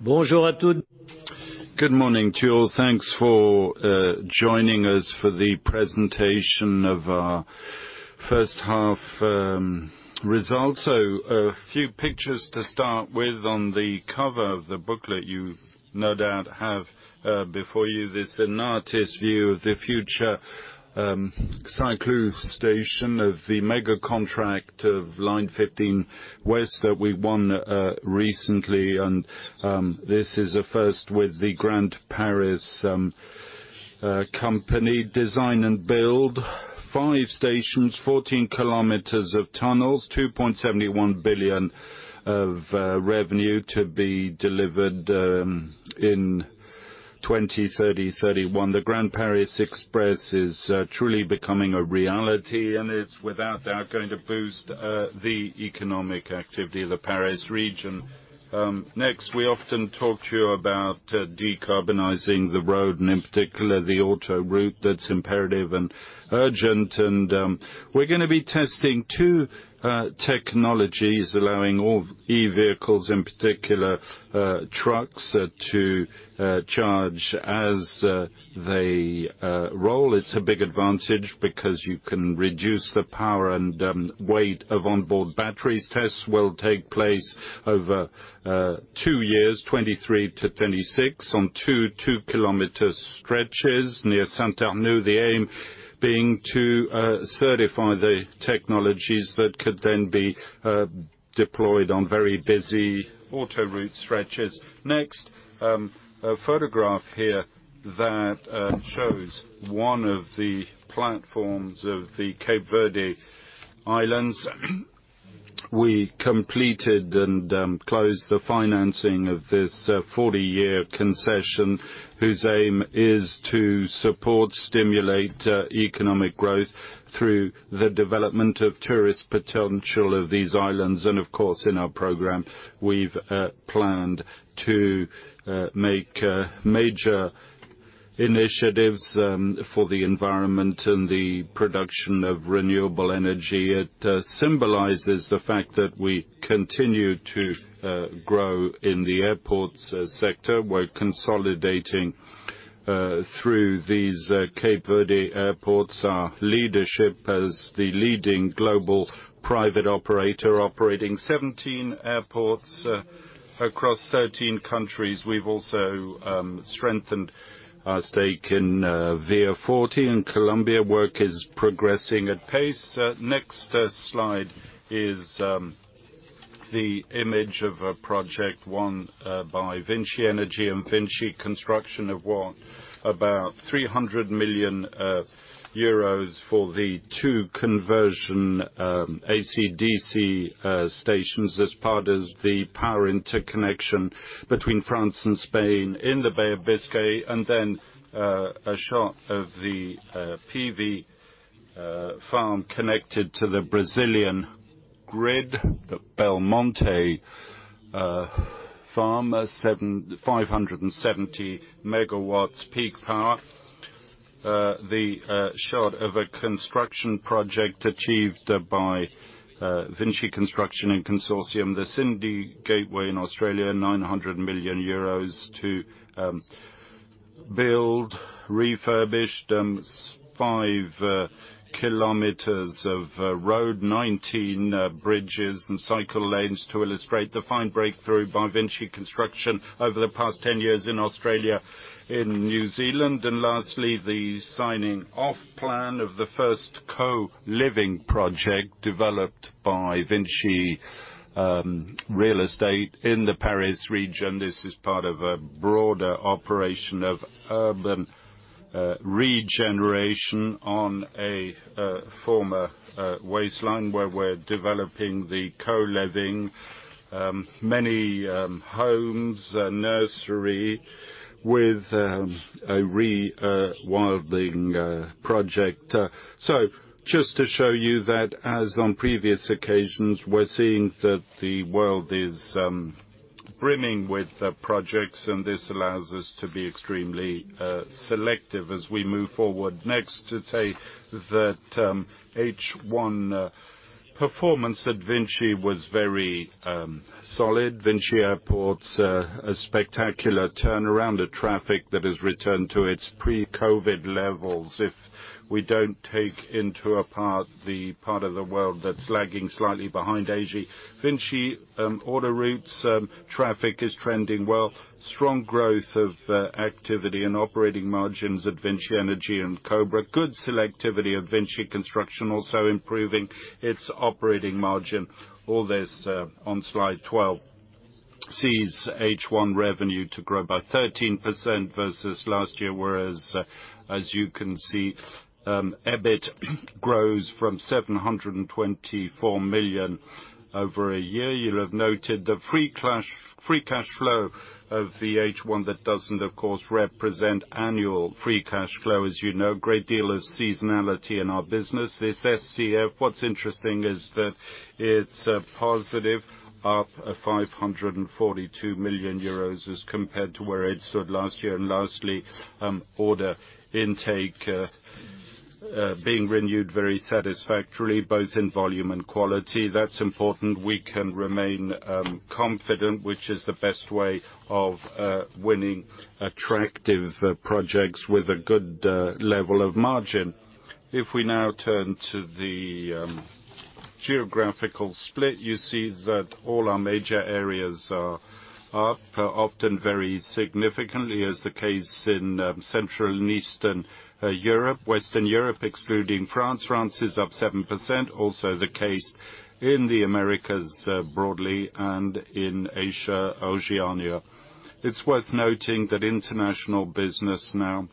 Bonjour à tous. Good morning to you all. Thanks for joining us for the presentation of our first half results. A few pictures to start with. On the cover of the booklet, you no doubt have before you, there's an artist's view of the future Saint-Cloud station of the mega contract of Line 15 West that we won recently. This is a first with the Grand Paris Company Design-Build. 5 stations, 14 kilometers of tunnels, 2.71 billion of revenue to be delivered in 2030, 2031. The Grand Paris Express is truly becoming a reality, and it's, without doubt, going to boost the economic activity of the Paris region. Next, we often talk to you about decarbonizing the road, and in particular, the autoroute that's imperative and urgent. We're gonna be testing 2 technologies, allowing all e-vehicles, in particular, trucks, to charge as they roll. It's a big advantage because you can reduce the power and weight of onboard batteries. Tests will take place over 2 years, 2023-2026, on 2, 2 kilometer stretches near Saint-Arnoult. The aim being to certify the technologies that could then be deployed on very busy autoroute stretches. Next, a photograph here that shows one of the platforms of the Cape Verde Islands. We completed and closed the financing of this 40-year concession, whose aim is to support, stimulate economic growth through the development of tourist potential of these islands. Of course, in our program, we've planned to make major initiatives for the environment and the production of renewable energy. It symbolizes the fact that we continue to grow in the airports sector. We're consolidating through these Cape Verde airports, our leadership as the leading global private operator, operating 17 airports across 13 countries. We've also strengthened our stake in Vía 40 in Colombia. Work is progressing at pace. Next slide is the image of a project won by VINCI Energies and VINCI Construction of what? About 300 million euros for the two conversion AC/DC stations, as part as the power interconnection between France and Spain in the Bay of Biscay. A shot of the PV farm connected to the Brazilian grid, the Belmonte farm, 570 megawatts peak power. The shot of a construction project achieved by VINCI Construction and Consortium, the Sydney Gateway in Australia, 900 million euros to build, refurbish, 5 kilometers of road, 19 bridges and cycle lanes, to illustrate the fine breakthrough by VINCI Construction over the past 10 years in Australia, in New Zealand. Lastly, the signing off plan of the first co-living project developed by VINCI Real Estate in the Paris region. This is part of a broader operation of urban regeneration on a former wasteland, where we're developing the co-living, many homes, a nursery, with a rewilding project. Just to show you that, as on previous occasions, we're seeing that the world is brimming with projects, and this allows us to be extremely selective as we move forward. Next, to say that H1 performance at VINCI was very solid. VINCI Airports, a spectacular turnaround, a traffic that has returned to its pre-COVID levels, if we don't take into apart the part of the world that's lagging slightly behind Asia. VINCI Autoroutes, traffic is trending well, strong growth of activity and operating margins at VINCI Energies and Cobra. Good selectivity of VINCI Construction, also improving its operating margin. All this, on slide 12, sees H1 revenue to grow by 13% versus last year, whereas, as you can see, EBIT grows from 724 million over a year. You'll have noted the free cash. Free cash flow of the H1, that doesn't, of course, represent annual free cash flow. As you know, great deal of seasonality in our business. This SCF, what's interesting is that it's positive, up 542 million euros as compared to where it stood last year. Lastly, order intake being renewed very satisfactorily, both in volume and quality. That's important. We can remain confident, which is the best way of winning attractive projects with a good level of margin. If we now turn to the geographical split, you see that all our major areas are up, often very significantly, as the case in Central and Eastern Europe, Western Europe, excluding France. France is up 7%, also the case in the Americas, broadly, and in Asia, Oceania. It's worth noting that international business now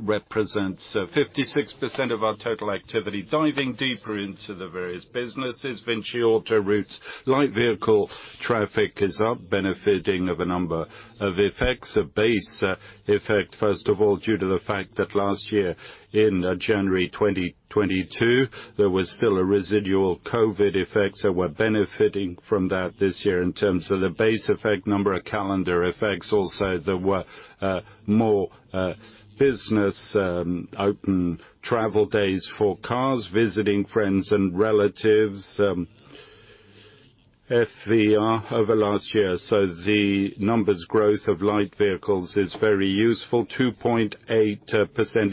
represents 56% of our total activity. Diving deeper into the various businesses, VINCI Autoroutes, light vehicle traffic is up, benefiting of a number of effects. A base effect, first of all, due to the fact that last year in January 2022, there was still a residual COVID effect, so we're benefiting from that this year in terms of the base effect, number of calendar effects. Also, there were more business open travel days for cars, visiting friends and relatives, FVR over last year. The numbers growth of light vehicles is very useful, 2.8%,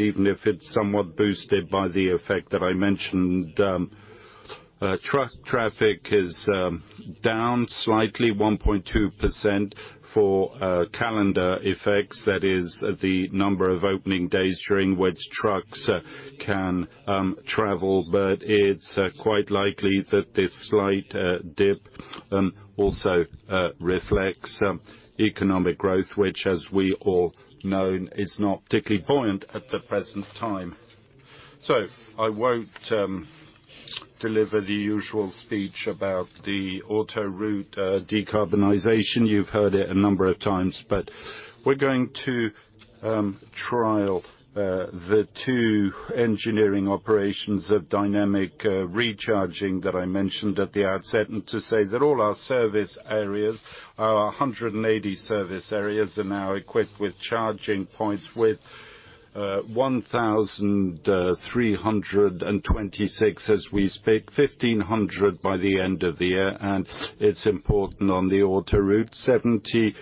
even if it's somewhat boosted by the effect that I mentioned. Truck traffic is down slightly 1.2% for calendar effects. That is the number of opening days during which trucks can travel, but it's quite likely that this slight dip also reflects economic growth, which, as we all know, is not particularly buoyant at the present time. I won't deliver the usual speech about the autoroute decarbonization. You've heard it a number of times. We're going to trial the two engineering operations of dynamic recharging that I mentioned at the outset, and to say that all our service areas, our 180 service areas, are now equipped with charging points, with 1,326 as we speak, 1,500 by the end of the year, and it's important on the autoroute. 70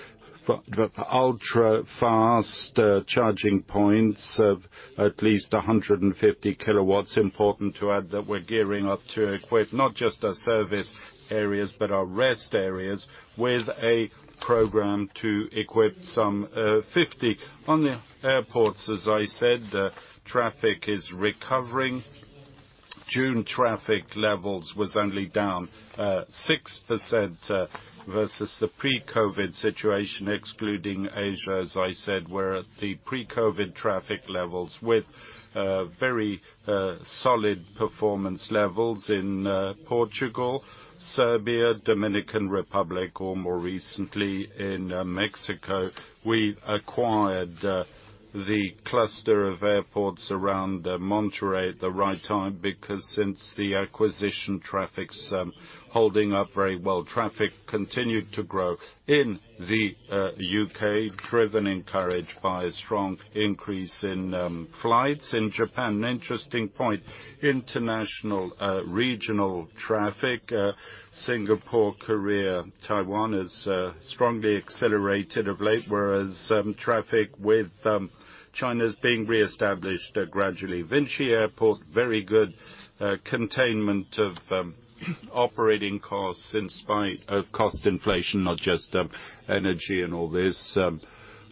ultra-fast charging points of at least 150 kilowatts. Important to add that we're gearing up to equip not just our service areas, but our rest areas with a program to equip some 50. On the airports, as I said, traffic is recovering. June traffic levels was only down 6% versus the pre-COVID situation, excluding Asia, as I said, we're at the pre-COVID traffic levels with very solid performance levels in Portugal, Serbia, Dominican Republic, or more recently in Mexico. We acquired the cluster of airports around Monterrey at the right time, because since the acquisition, traffic's holding up very well. Traffic continued to grow in the UK, driven, encouraged by a strong increase in flights. In Japan, an interesting point, international, regional traffic, Singapore, Korea, Taiwan, is strongly accelerated of late, whereas traffic with China is being reestablished gradually. VINCI Airports, very good containment of operating costs in spite of cost inflation, not just energy and all this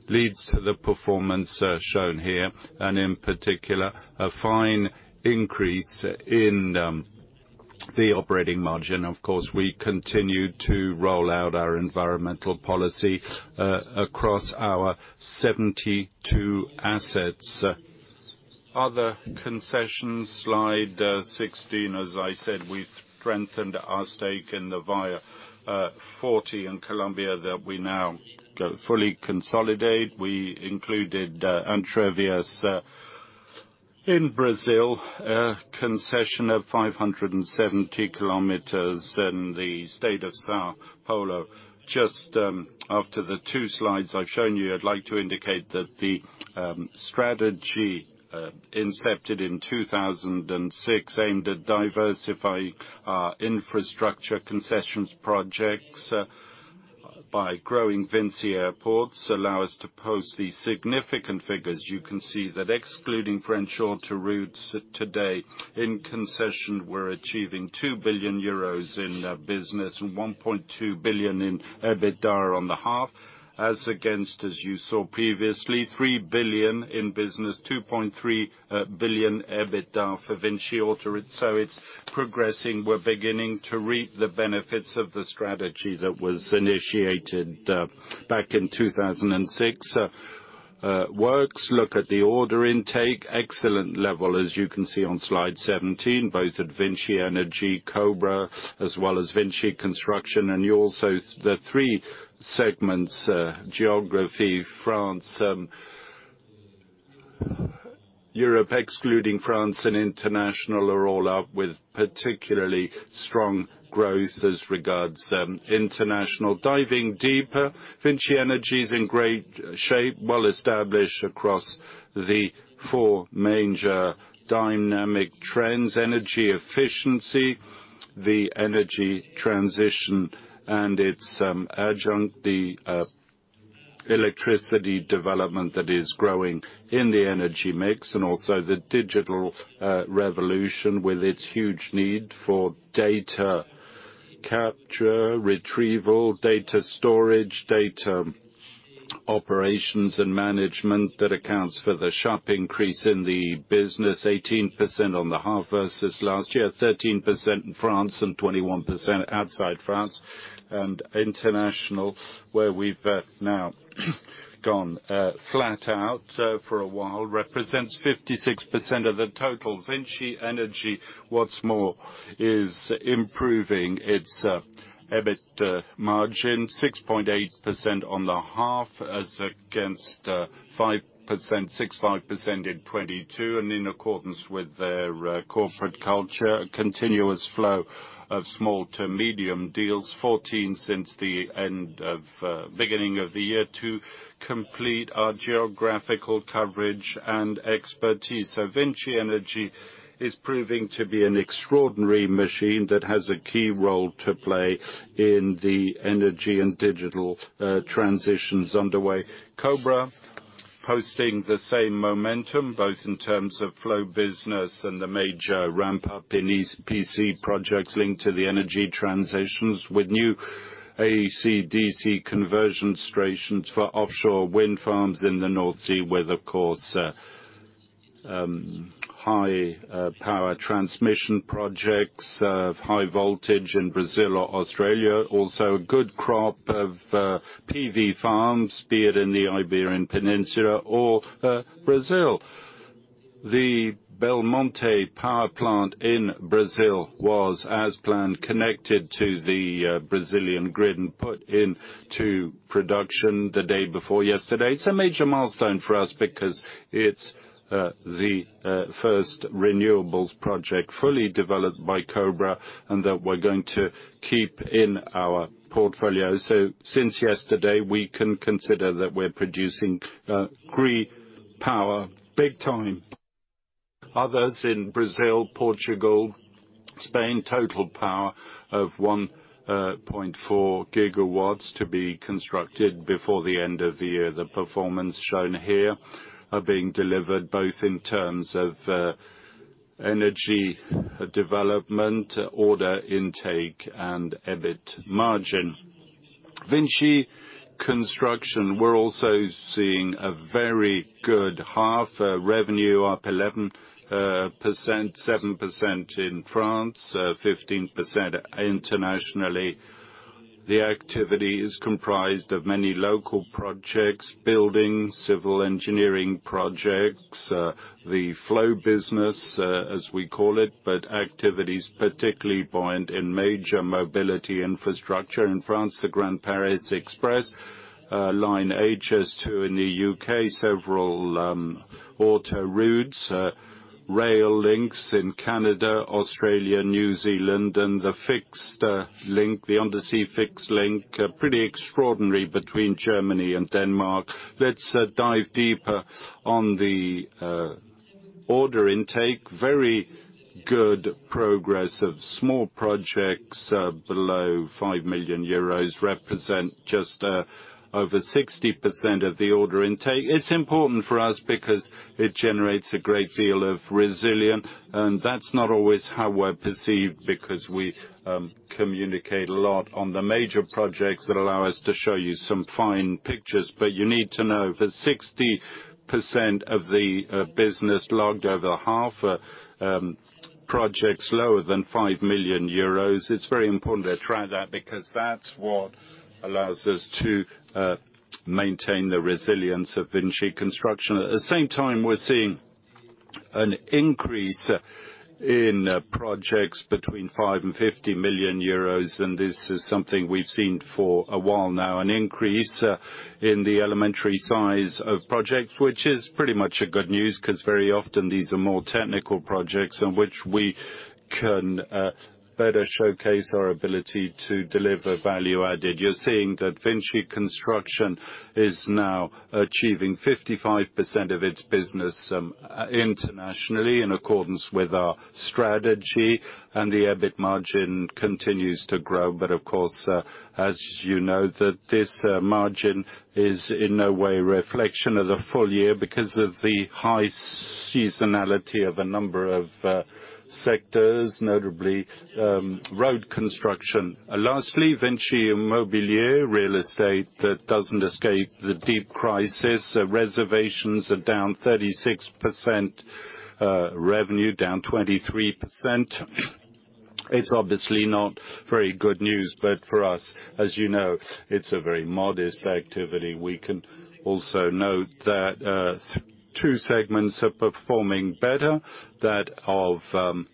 leads to the performance shown here, and in particular, a fine increase in the operating margin. Of course, we continued to roll out our environmental policy across our 72 assets. Other concessions, slide 16, as I said, we've strengthened our stake in the Via 40 in Colombia, that we now fully consolidate. We included Entrevias in Brazil, a concession of 570 kilometers in the state of São Paulo. Just, after the 2 slides I've shown you, I'd like to indicate that the strategy, incepted in 2006, aimed at diversifying our infrastructure concessions projects, by growing VINCI Airports, allow us to post these significant figures. You can see that excluding French Autoroutes today in concession, we're achieving 2 billion euros in business and 1.2 billion in EBITDA on the half, as against, as you saw previously, 3 billion in business, 2.3 billion EBITDA for VINCI Autoroutes. It's progressing. We're beginning to reap the benefits of the strategy that was initiated, back in 2006. works, look at the order intake. Excellent level, as you can see on slide 17, both at VINCI Energies, Cobra, as well as VINCI Construction. The three segments, geography, France,... Europe, excluding France and international, are all up with particularly strong growth as regards international. Diving deeper, VINCI Energies in great shape, well established across the four major dynamic trends: energy efficiency, the energy transition, and its adjunct, the electricity development that is growing in the energy mix, and also the digital revolution with its huge need for data capture, retrieval, data storage, data operations and management. That accounts for the sharp increase in the business, 18% on the half versus last year, 13% in France, and 21% outside France and international, where we've now gone flat out for a while, represents 56% of the total. VINCI Energies, what's more, is improving its EBIT margin 6.8% on the half, as against 5%, 65% in 2022, and in accordance with their corporate culture, a continuous flow of small to medium deals, 14 since the end of beginning of the year, to complete our geographical coverage and expertise. VINCI Energies is proving to be an extraordinary machine that has a key role to play in the energy and digital transitions underway. Cobra, hosting the same momentum, both in terms of flow business and the major ramp up in ESPC projects linked to the energy transitions, with new AC/DC conversion stations for offshore wind farms in the North Sea, with of course, high power transmission projects of high voltage in Brazil or Australia. Also, a good crop of PV farms, be it in the Iberian Peninsula or Brazil. The Belmonte power plant in Brazil was, as planned, connected to the Brazilian grid and put into production the day before yesterday. It's a major milestone for us because it's the first renewables project fully developed by Cobra, and that we're going to keep in our portfolio. Since yesterday, we can consider that we're producing green power big time. Others in Brazil, Portugal, Spain, total power of 1.4 gigawatts to be constructed before the end of the year. The performance shown here are being delivered both in terms of energy, development, order, intake, and EBIT margin. VINCI Construction, we're also seeing a very good half. Revenue up 11%, 7% in France, 15% internationally. The activity is comprised of many local projects, buildings, civil engineering projects, the flow business, as we call it, but activities particularly buoyant in major mobility infrastructure. In France, the Grand Paris Express, line HS2 in the U.K., several autoroutes, rail links in Canada, Australia, New Zealand, and the fixed link, the undersea fixed link, pretty extraordinary between Germany and Denmark. Let's dive deeper on the order intake. Very good progress of small projects, below 5 million euros, represent just over 60% of the order intake. It's important for us because it generates a great deal of resilience, and that's not always how we're perceived, because we communicate a lot on the major projects that allow us to show you some fine pictures. You need to know that 60% of the business logged over half projects lower than 5 million euros. It's very important to track that, because that's what allows us to maintain the resilience of VINCI Construction. At the same time, we're seeing an increase in projects between 5 million and 50 million euros, and this is something we've seen for a while now, an increase in the elementary size of projects. Which is pretty much a good news, cause very often, these are more technical projects in which we can better showcase our ability to deliver value added. You're seeing that VINCI Construction is now achieving 55% of its business internationally, in accordance with our strategy, and the EBIT margin continues to grow. Of course, as you know, that this margin is in no way a reflection of the full year because of the high seasonality of a number of sectors, notably, road construction. Lastly, VINCI Immobilier, that doesn't escape the deep crisis. Reservations are down 36%, revenue down 23%. It's obviously not very good news, but for us, as you know, it's a very modest activity. We can also note that two segments are performing better: that of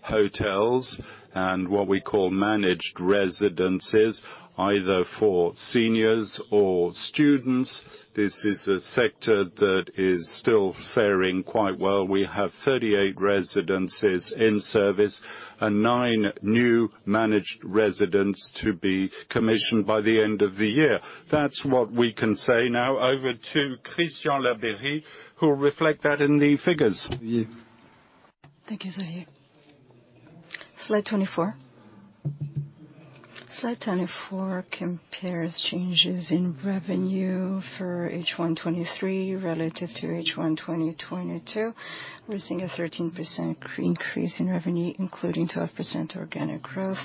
hotels and what we call managed residences, either for seniors or students. This is a sector that is still faring quite well. We have 38 residences in service, and 9 new managed residents to be commissioned by the end of the year. That's what we can say. Over to Christiane Labeyrie, who will reflect that in the figures. Thank you, Xavier. Slide 24. Slide 24 compares changes in revenue for H1 2023 relative to H1 2022. We're seeing a 13% increase in revenue, including 12% organic growth,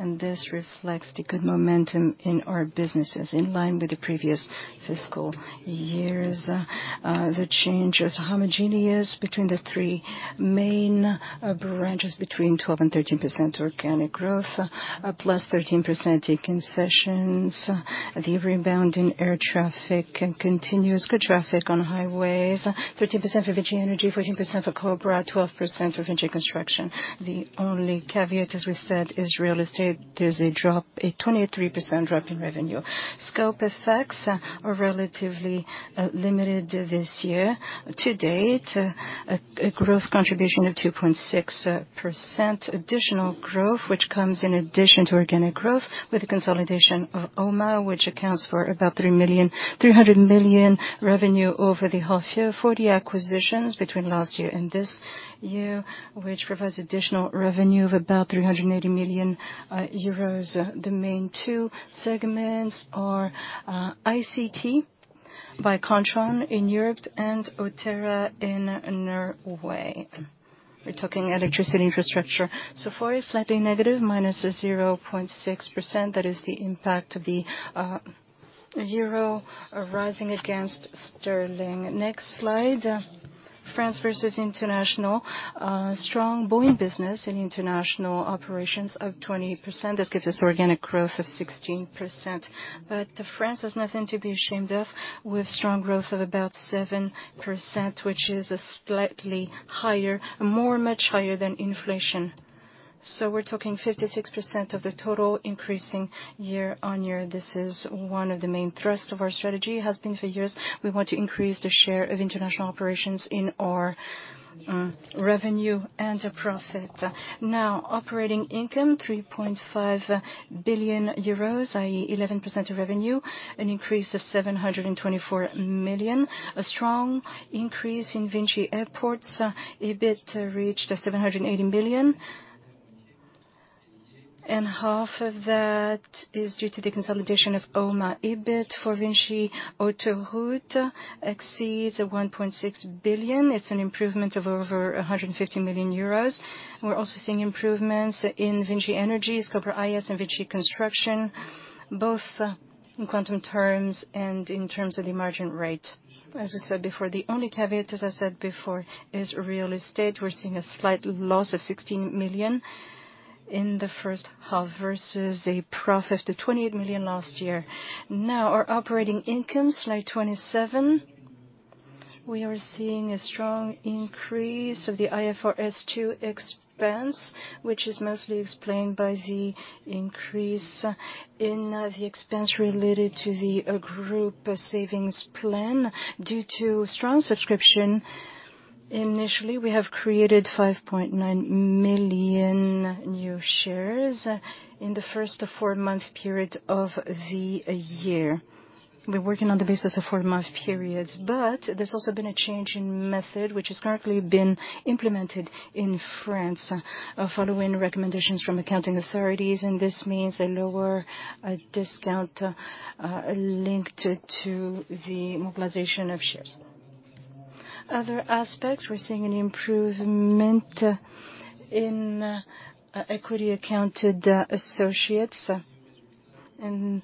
and this reflects the good momentum in our businesses. In line with the previous fiscal years, the change is homogeneous between the three main branches, between 12% and 13% organic growth, plus 13% in concessions. The rebound in air traffic continues, good traffic on highways, 13% for VINCI Energies, 14% for Cobra, 12% for Vinci Construction. The only caveat, as we said, is real estate. There's a drop, a 23% drop in revenue. Scope effects are relatively limited this year. To date, a growth contribution of 2.6% additional growth, which comes in addition to organic growth with the consolidation of Oma, which accounts for about 300 million revenue over the half year. 40 acquisitions between last year and this year, which provides additional revenue of about 380 million euros. The main two segments are ICT by Kontron in Europe and Otera in Norway. We're talking electricity infrastructure. So far, slightly negative, -0.6%. That is the impact of the euro rising against sterling. Next slide, France versus international. Strong booming business in international operations, up 20%. This gives us organic growth of 16%. France has nothing to be ashamed of, with strong growth of about 7%, which is a slightly higher, more much higher than inflation. We're talking 56% of the total increasing year-on-year. This is one of the main thrust of our strategy, has been for years. We want to increase the share of international operations in our revenue and profit. Now, operating income 3.5 billion euros, i.e, 11% of revenue, an increase of 724 million. A strong increase in Vinci Airports. EBIT reached 780 million, and half of that is due to the consolidation of OMA. EBIT for Vinci Autoroutes exceeds 1.6 billion. It's an improvement of over 150 million euros. We're also seeing improvements in Vinci Energies, uncertain, and Vinci Construction, both, in quantum terms and in terms of the margin rate. As we said before, the only caveat, as I said before, is real estate. We're seeing a slight loss of 16 million in the first half versus a profit of 28 million last year. Now, our operating income, slide 27. We are seeing a strong increase of the IFRS 2 expense, which is mostly explained by the increase in the expense related to the group savings plan due to strong subscription. Initially, we have created 5.9 million new shares in the first four-month period of the year. We're working on the basis of four-month periods. There's also been a change in method, which has currently been implemented in France, following recommendations from accounting authorities. This means a lower discount linked to the mobilization of shares. Other aspects, we're seeing an improvement in equity accounted associates.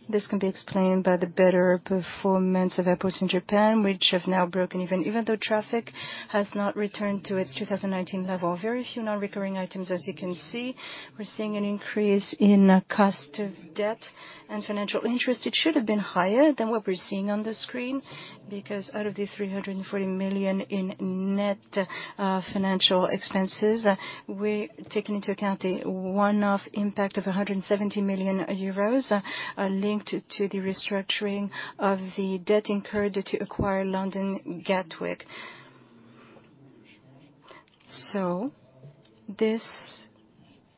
This can be explained by the better performance of airports in Japan, which have now broken even, even though traffic has not returned to its 2019 level. Very few non-recurring items as you can see. We're seeing an increase in cost of debt and financial interest. It should have been higher than what we're seeing on the screen, because out of the 340 million in net financial expenses, we're taking into account a one-off impact of 170 million euros linked to the restructuring of the debt incurred to acquire London Gatwick. This,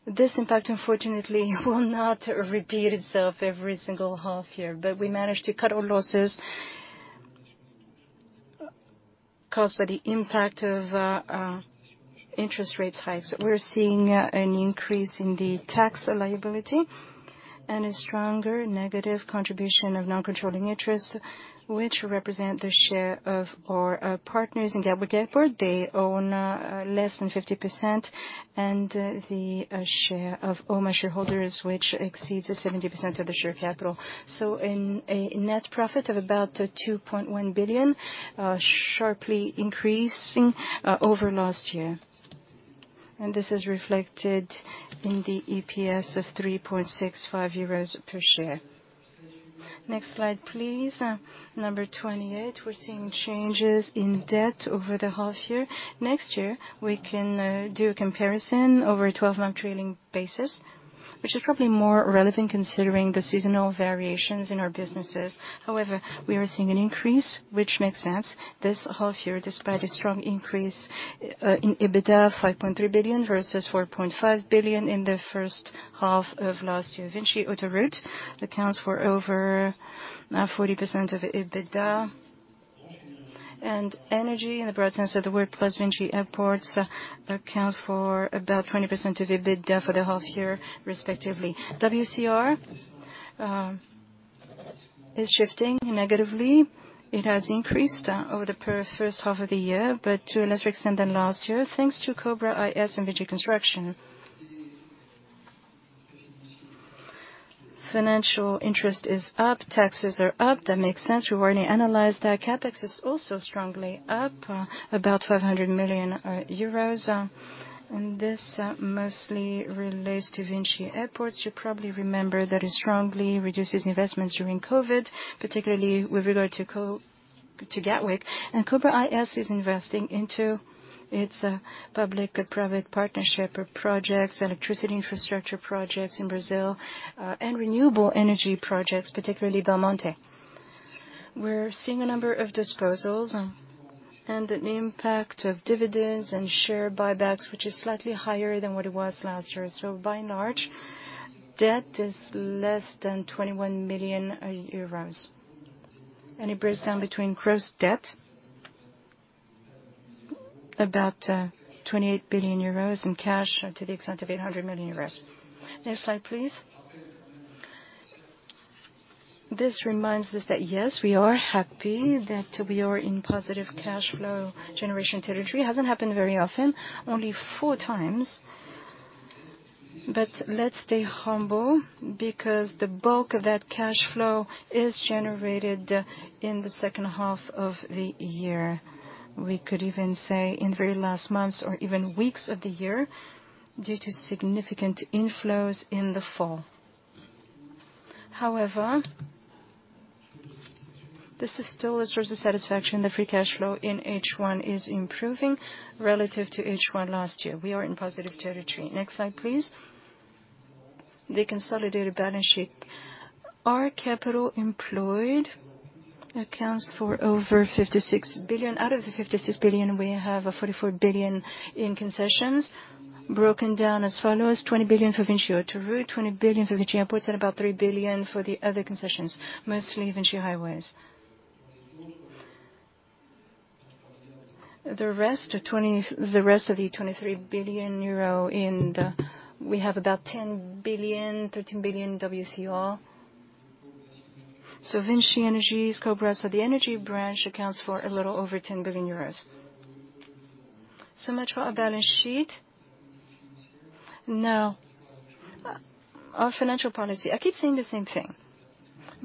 this impact, unfortunately, will not repeat itself every single half year, but we managed to cut our losses caused by the impact of interest rate hikes. We're seeing an increase in the tax liability and a stronger negative contribution of non-controlling interests, which represent the share of our partners in Gatwick Airport. They own less than 50%, and the share of Oma shareholders, which exceeds 70% of the share capital. In a net profit of about 2.1 billion, sharply increasing over last year, and this is reflected in the EPS of 3.65 euros per share. Next slide, please. Number 28, we're seeing changes in debt over the half year. Next year, we can do a comparison over a 12-month trailing basis, which is probably more relevant considering the seasonal variations in our businesses. However, we are seeing an increase, which makes sense this half year, despite a strong increase in EBITDA, 5.3 billion versus 4.5 billion in the first half of last year. VINCI Autoroutes accounts for over 40% of EBITDA, and energy, in the broad sense of the word, plus VINCI Airports account for about 20% of EBITDA for the half year, respectively. WCR is shifting negatively. It has increased over the first half of the year, but to a lesser extent than last year, thanks to uncertain and VINCI Construction. Financial interest is up, taxes are up. That makes sense. We've already analyzed that. CapEx is also strongly up, about 500 million euros, and this mostly relates to VINCI Airports. You probably remember that it strongly reduces investments during COVID, particularly with regard to Gatwick, and uncertain is investing into its public and private partnership or projects, electricity infrastructure projects in Brazil and renewable energy projects, particularly Belmonte. We're seeing a number of disposals and an impact of dividends and share buybacks, which is slightly higher than what it was last year. By and large, debt is less than 21 million euros, and it breaks down between gross debt, about 28 billion euros, and cash to the extent of 800 million euros. Next slide, please. This reminds us that, yes, we are happy that we are in positive cash flow generation territory. It hasn't happened very often, only four times. Let's stay humble because the bulk of that cash flow is generated in the second half of the year. We could even say in very last months or even weeks of the year, due to significant inflows in the fall. This is still a source of satisfaction. The free cash flow in H1 is improving relative to H1 last year. We are in positive territory. Next slide, please. The consolidated balance sheet. Our capital employed accounts for over 56 billion. Out of the 56 billion, we have a 44 billion in concessions, broken down as follows: 20 billion for VINCI Autoroutes, 20 billion for VINCI Airports, and about 3 billion for the other concessions, mostly VINCI Highways. The rest of the 23 billion euro in the, we have about 10 billion, 13 billion WCR. VINCI Energies, Cobra, so the energy branch accounts for a little over 10 billion euros. Much for our balance sheet. Now, our financial policy. I keep saying the same thing,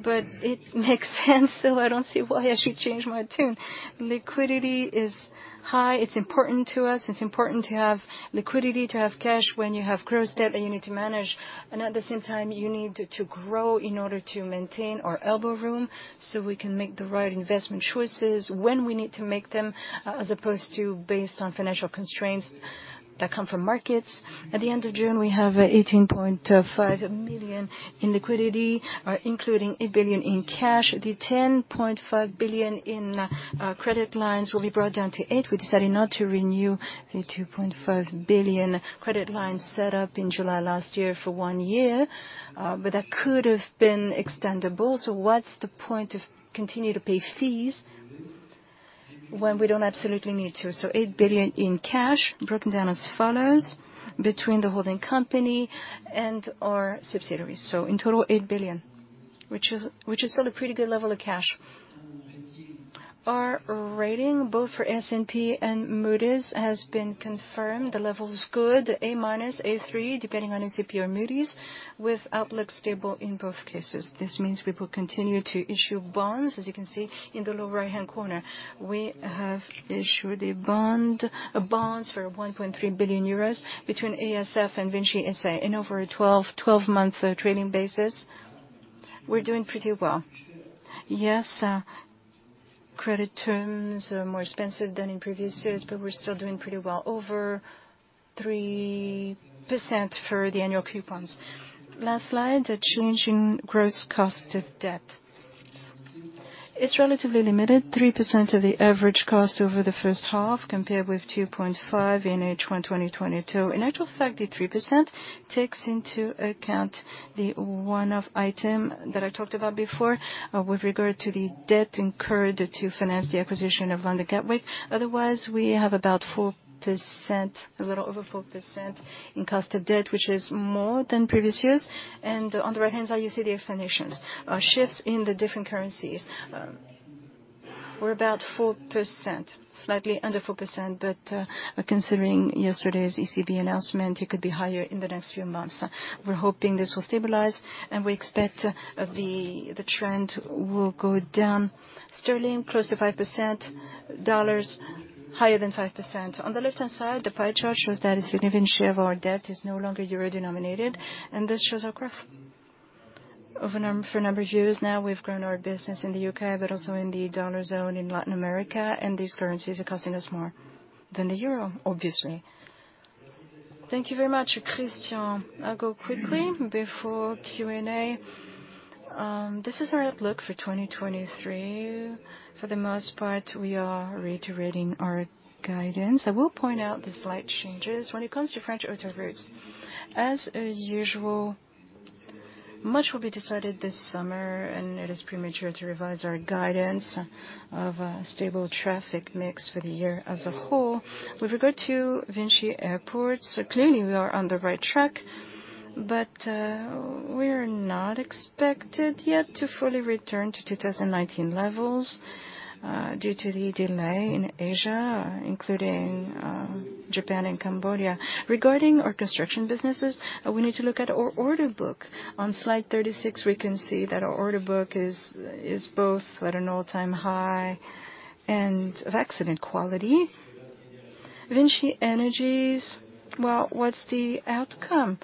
but it makes sense, so I don't see why I should change my tune. Liquidity is high. It's important to us. It's important to have liquidity, to have cash when you have gross debt that you need to manage, and at the same time, you need to grow in order to maintain our elbow room, so we can make the right investment choices when we need to make them, as opposed to based on financial constraints that come from markets. At the end of June, we have 18.5 million in liquidity, including 1 billion in cash. The 10.5 billion in credit lines will be brought down to 8 billion. We decided not to renew the 2.5 billion credit line set up in July last year for one year, but that could have been extendable. What's the point of continue to pay fees when we don't absolutely need to? Eight billion in cash, broken down as follows between the holding company and our subsidiaries. In total, 8 billion, which is, which is still a pretty good level of cash. Our rating, both for S&P and Moody's, has been confirmed. The level is good, A minus, A3, depending on S&P or Moody's, with outlook stable in both cases. This means we will continue to issue bonds. You can see in the lower right-hand corner, we have issued a bond, bonds for 1.3 billion euros between ASF and VINCI SA. In over a 12-month trailing basis, we're doing pretty well. Credit terms are more expensive than in previous years, we're still doing pretty well, over 3% for the annual coupons. Last slide, the change in gross cost of debt. It's relatively limited, 3% of the average cost over the first half, compared with 2.5% in H1 2022. In actual fact, the 3% takes into account the one-off item that I talked about before, with regard to the debt incurred to finance the acquisition of London Gatwick. Otherwise, we have about 4%, a little over 4%, in cost of debt, which is more than previous years. On the right-hand side, you see the explanations. Shifts in the different currencies were about 4%, slightly under 4%, but, considering yesterday's ECB announcement, it could be higher in the next few months. We're hoping this will stabilize, and we expect the trend will go down. Sterling, close to 5%, dollars, higher than 5%. On the left-hand side, the pie chart shows that a significant share of our debt is no longer euro-denominated, and this shows our growth. Over for a number of years now, we've grown our business in the U.K., but also in the dollar zone in Latin America, and these currencies are costing us more than the euro, obviously. Thank you very much, Christian. I'll go quickly before Q&A. This is our outlook for 2023. For the most part, we are reiterating our guidance. I will point out the slight changes. When it comes to French Autoroutes, as usual, much will be decided this summer, and it is premature to revise our guidance of stable traffic mix for the year as a whole. With regard to VINCI Airports, clearly, we are on the right track, we're not expected yet to fully return to 2019 levels due to the delay in Asia, including Japan and Cambodia. Regarding our construction businesses, we need to look at our order book. On slide 36, we can see that our order book is both at an all-time high and of excellent quality. VINCI Energies, well, what's the outcome?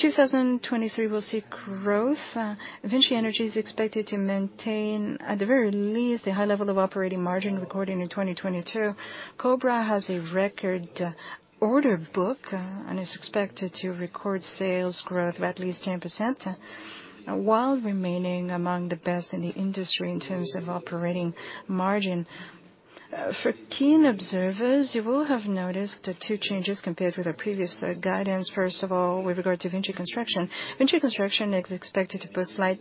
2023 will see growth. VINCI Energies is expected to maintain, at the very least, a high level of operating margin recorded in 2022. Cobra has a record order book and is expected to record sales growth of at least 10% while remaining among the best in the industry in terms of operating margin. For keen observers, you will have noticed the 2 changes compared with our previous guidance. First of all, with regard to VINCI Construction. VINCI Construction is expected to post slight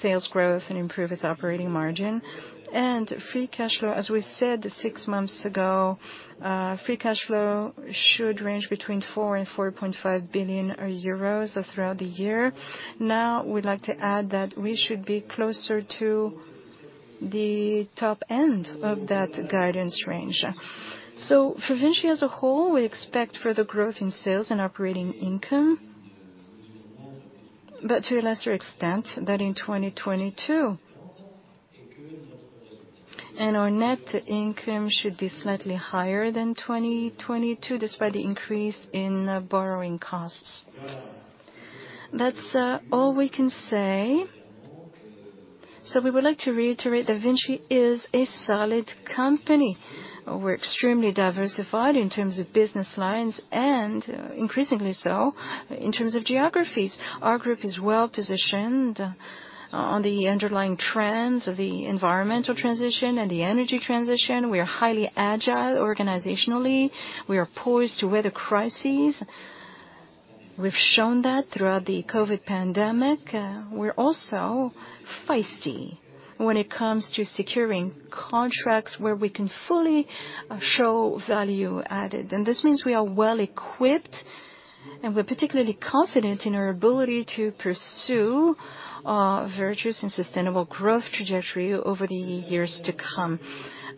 sales growth and improve its operating margin. Free cashflow, as we said 6 months ago, free cashflow should range between 4 and 4.5 billion euros throughout the year. Now, we'd like to add that we should be closer to the top end of that guidance range. For VINCI as a whole, we expect further growth in sales and operating income, but to a lesser extent than in 2022. Our net income should be slightly higher than 2022, despite the increase in borrowing costs. That's all we can say. We would like to reiterate that VINCI is a solid company. We're extremely diversified in terms of business lines and increasingly so in terms of geographies. Our group is well positioned on the underlying trends of the environmental transition and the energy transition. We are highly agile organizationally. We are poised to weather crises. We've shown that throughout the COVID pandemic. We're also feisty when it comes to securing contracts where we can fully show value added. This means we are well equipped, and we're particularly confident in our ability to pursue a virtuous and sustainable growth trajectory over the years to come.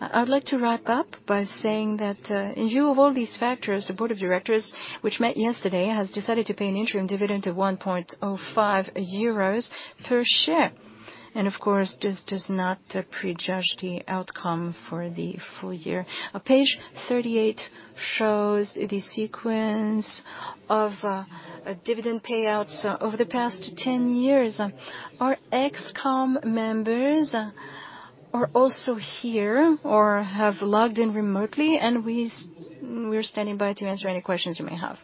I'd like to wrap up by saying that, in view of all these factors, the board of directors, which met yesterday, has decided to pay an interim dividend of 1.05 euros per share. Of course, this does not prejudge the outcome for the full year. Page 38 shows the sequence of dividend payouts over the past 10 years. Our Ex Comm members are also here or have logged in remotely, and we're standing by to answer any questions you may have.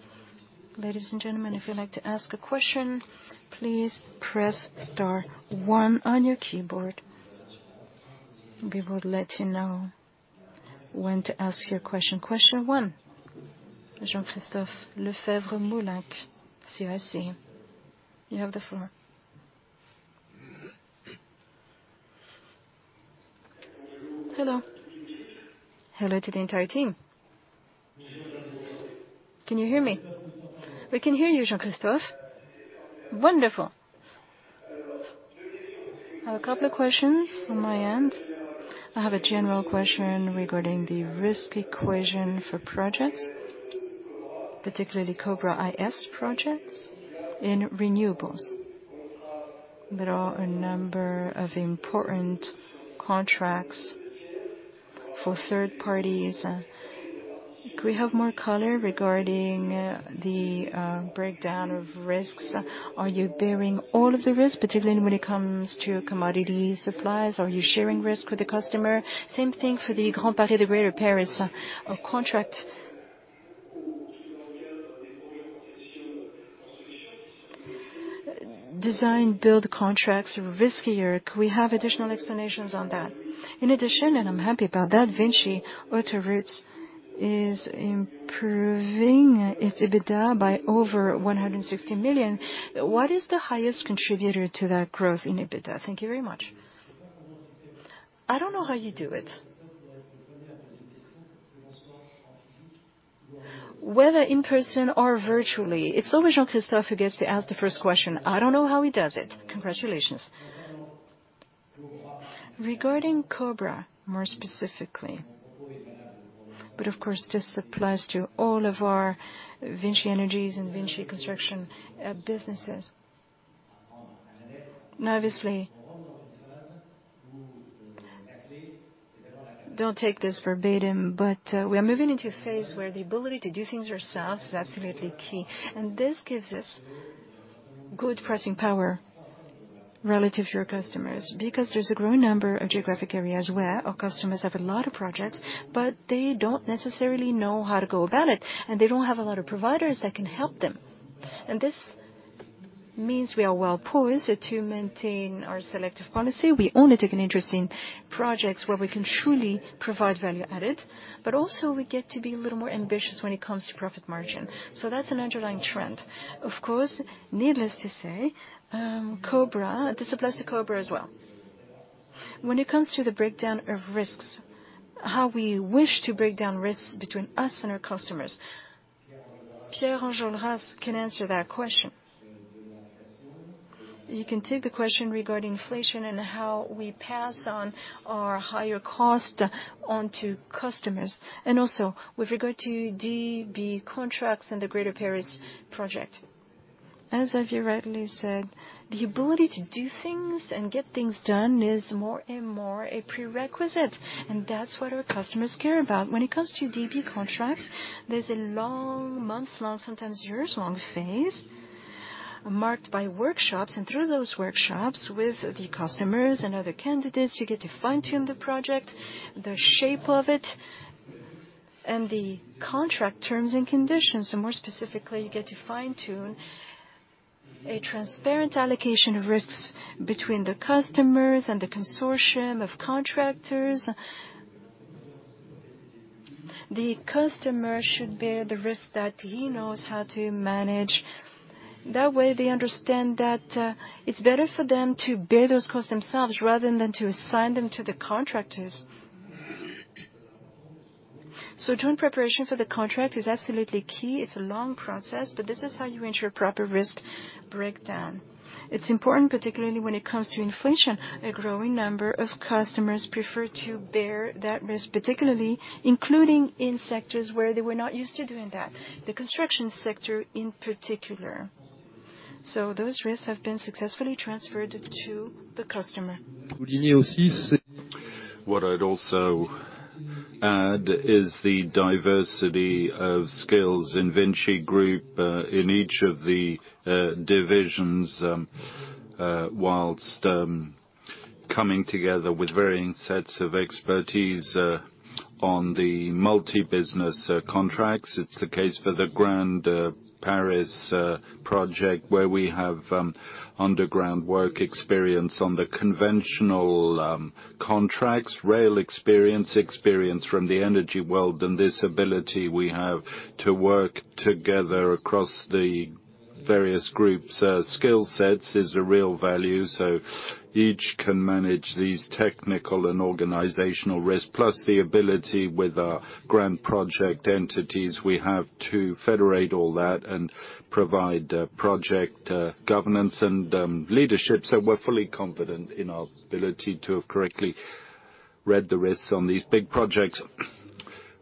Ladies and gentlemen, if you'd like to ask a question, please press star 1 on your keyboard. We will let you know when to ask your question. Question 1, Jean-Christophe Lefebvre-Moulin, CIC. You have the floor. Hello. Hello to the entire team. Can you hear me? We can hear you, Jean-Christophe. Wonderful! I have a couple of questions on my end. I have a general question regarding the risk equation for projects, particularly uncertain projects in renewables. There are a number of important contracts for third parties. Could we have more color regarding the breakdown of risks? Are you bearing all of the risk, particularly when it comes to commodity supplies? Are you sharing risk with the customer? Same thing for the Grand Paris, the Greater Paris contract. Design-Build contracts are riskier. Could we have additional explanations on that? In addition, and I'm happy about that, VINCI Autoroutes is improving its EBITDA by over 160 million. What is the highest contributor to that growth in EBITDA? Thank you very much. I don't know how you do it. Whether in person or virtually, it's always Jean-Christophe who gets to ask the first question. I don't know how he does it. Congratulations. Regarding Cobra, more specifically, but of course, this applies to all of our VINCI Energies and VINCI Construction businesses. Obviously... Don't take this verbatim, but, we are moving into a phase where the ability to do things ourselves is absolutely key, and this gives us good pricing power relative to our customers. Because there's a growing number of geographic areas where our customers have a lot of projects, but they don't necessarily know how to go about it, and they don't have a lot of providers that can help them. This means we are well poised to maintain our selective policy. We only take an interest in projects where we can truly provide value added, but also we get to be a little more ambitious when it comes to profit margin. That's an underlying trend. Of course, needless to say, Cobra, this applies to Cobra as well. When it comes to the breakdown of risks, how we wish to break down risks between us and our customers, Pierre Anjolras can answer that question. You can take the question regarding inflation and how we pass on our higher cost onto customers, and also with regard to DB contracts and the Grand Paris project. As I've rightly said, the ability to do things and get things done is more and more a prerequisite, and that's what our customers care about. When it comes to DB contracts, there's a long, months-long, sometimes years-long phase marked by workshops, and through those workshops, with the customers and other candidates, you get to fine-tune the project, the shape of it, and the contract terms and conditions. More specifically, you get to fine-tune a transparent allocation of risks between the customers and the consortium of contractors. The customer should bear the risk that he knows how to manage. That way, they understand that it's better for them to bear those costs themselves rather than to assign them to the contractors. Joint preparation for the contract is absolutely key. It's a long process, but this is how you ensure proper risk breakdown. It's important, particularly when it comes to inflation. A growing number of customers prefer to bear that risk, particularly including in sectors where they were not used to doing that, the construction sector in particular. Those risks have been successfully transferred to the customer. What I'd also add is the diversity of skills in VINCI Group, in each of the divisions, whilst coming together with varying sets of expertise, on the multi-business contracts. It's the case for the Grand Paris project, where we have underground work experience on the conventional contracts, rail experience, experience from the energy world, and this ability we have to work together across the various groups, skill sets is a real value. Each can manage these technical and organizational risks, plus the ability with our grand project entities, we have to federate all that and provide project governance and leadership. We're fully confident in our ability to have correctly read the risks on these big projects.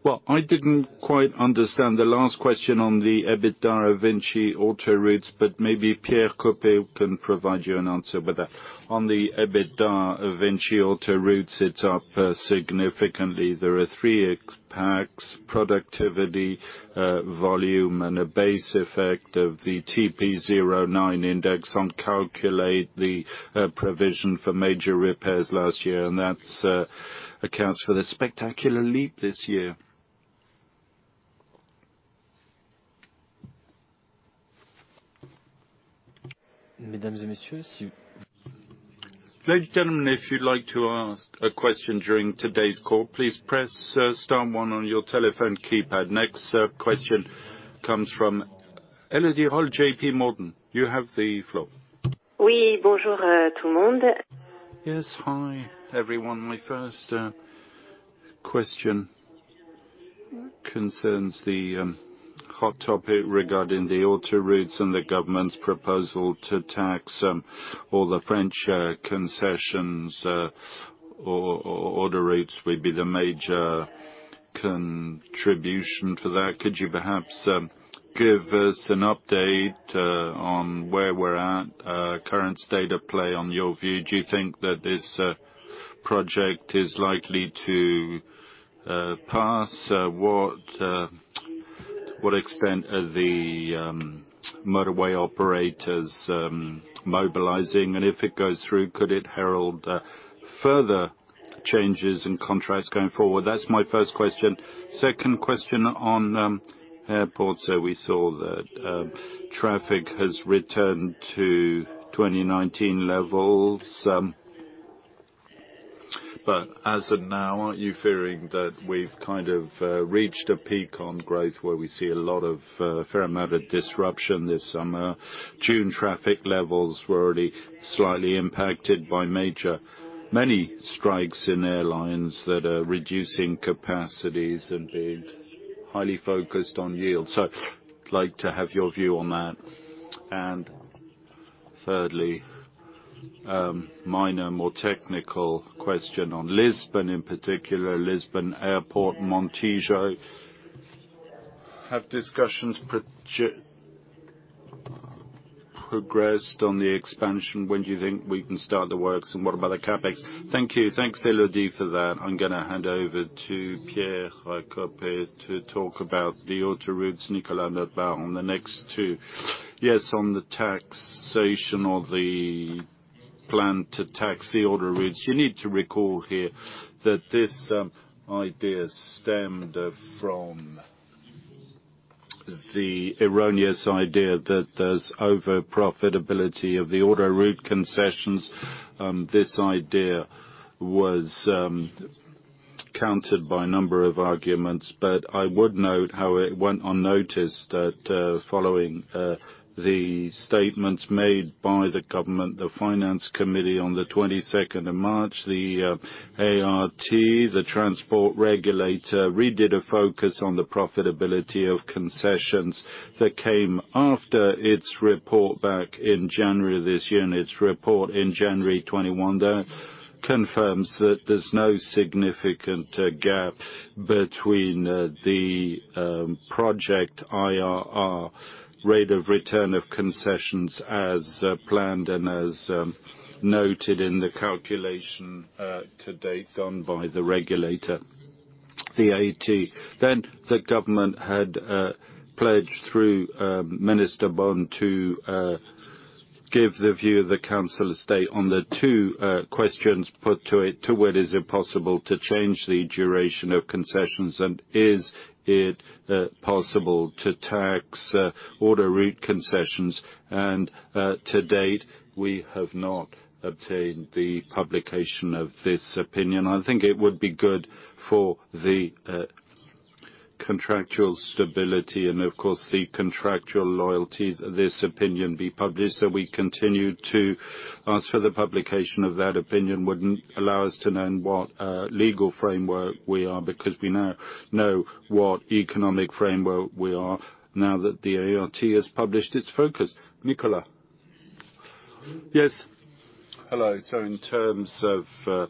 Well, I didn't quite understand the last question on the EBITDA VINCI Autoroutes, but maybe Pierre Coppey can provide you an answer with that. On the EBITDA, VINCI Autoroutes, it's up significantly. There are three impacts: productivity, volume, and a base effect of the TP09 index on calculate the provision for major repairs last year, and that's accounts for the spectacular leap this year. Ladies and gentlemen, if you'd like to ask a question during today's call, please press star one on your telephone keypad. Next, question comes from Elodie Rall, J.P. Morgan. You have the floor. Yes. Hi, everyone. My first question concerns the hot topic regarding the autoroutes and the government's proposal to tax all the French concessions, or autoroutes would be the major contribution to that. Could you perhaps give us an update on where we're at, current state of play on your view? Do you think that this project is likely to pass? What extent are the motorway operators mobilizing? If it goes through, could it herald further changes in contracts going forward? That's my first question. Second question on airports, we saw that traffic has returned to 2019 levels, as of now, aren't you fearing that we've kind of reached a peak on growth where we see a lot of fair amount of disruption this summer? June traffic levels were already slightly impacted by Many strikes in airlines that are reducing capacities and being highly focused on yield. I'd like to have your view on that. Thirdly, minor, more technical question on Lisbon, in particular, Lisbon Airport, Montijo. Have discussions progressed on the expansion, when do you think we can start the works, and what about the CapEx? Thank you. Thanks, Elodie, for that. I'm gonna hand over to Pierre Coppey to talk about the autoroutes, Nicolas Notebaert on the next two. On the taxation or the plan to tax the autoroutes, you need to recall here that this idea stemmed from the erroneous idea that there's overprofitability of the autoroute concessions. This idea was counted by a number of arguments, but I would note how it went unnoticed that, following the statements made by the government, the Finance Committee on the 22nd of March, the ART, the transport regulator, redid a focus on the profitability of concessions that came after its report back in January this year. Its report in January 2021 there confirms that there's no significant gap between the project IRR, rate of return of concessions as planned and as noted in the calculation to date done by the regulator, the ART. The government had pledged through Minister Bonn to give the view of the Council of State on the two questions put to it, to whether is it possible to change the duration of concessions, and is it possible to tax autoroute concessions? To date, we have not obtained the publication of this opinion. I think it would be good for the contractual stability and, of course, the contractual loyalty, this opinion be published. We continue to ask for the publication of that opinion, would allow us to know in what legal framework we are, because we now know what economic framework we are, now that the ART has published its focus. Nicolas? Yes. Hello. In terms of,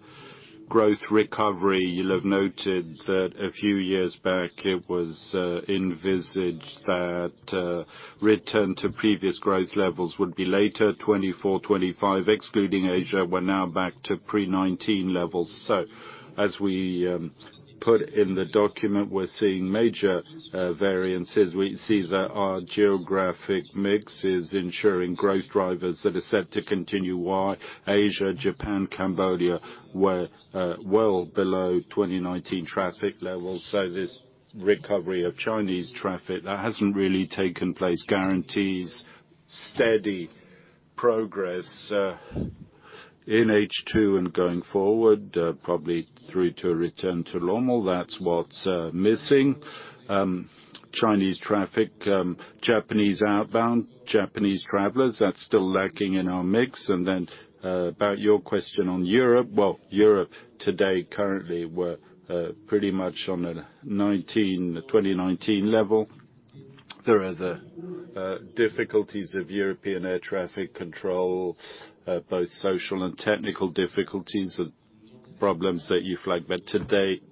growth recovery, you'll have noted that a few years back, it was, envisaged that, return to previous growth levels would be later, 2024, 2025, excluding Asia. We're now back to pre-2019 levels. As we, put in the document, we're seeing major, variances. We see that our geographic mix is ensuring growth drivers that are set to continue, while Asia, Japan, Cambodia were, well below 2019 traffic levels. This recovery of Chinese traffic, that hasn't really taken place, guarantees steady progress, in H2 and going forward, probably through to a return to normal. That's what's, missing. Chinese traffic, Japanese outbound, Japanese travelers, that's still lacking in our mix. About your question on Europe, well, Europe today, currently, we're, pretty much on a 2019, 2019 level. There are the difficulties of European air traffic control, both social and technical difficulties and problems that you flag. To date,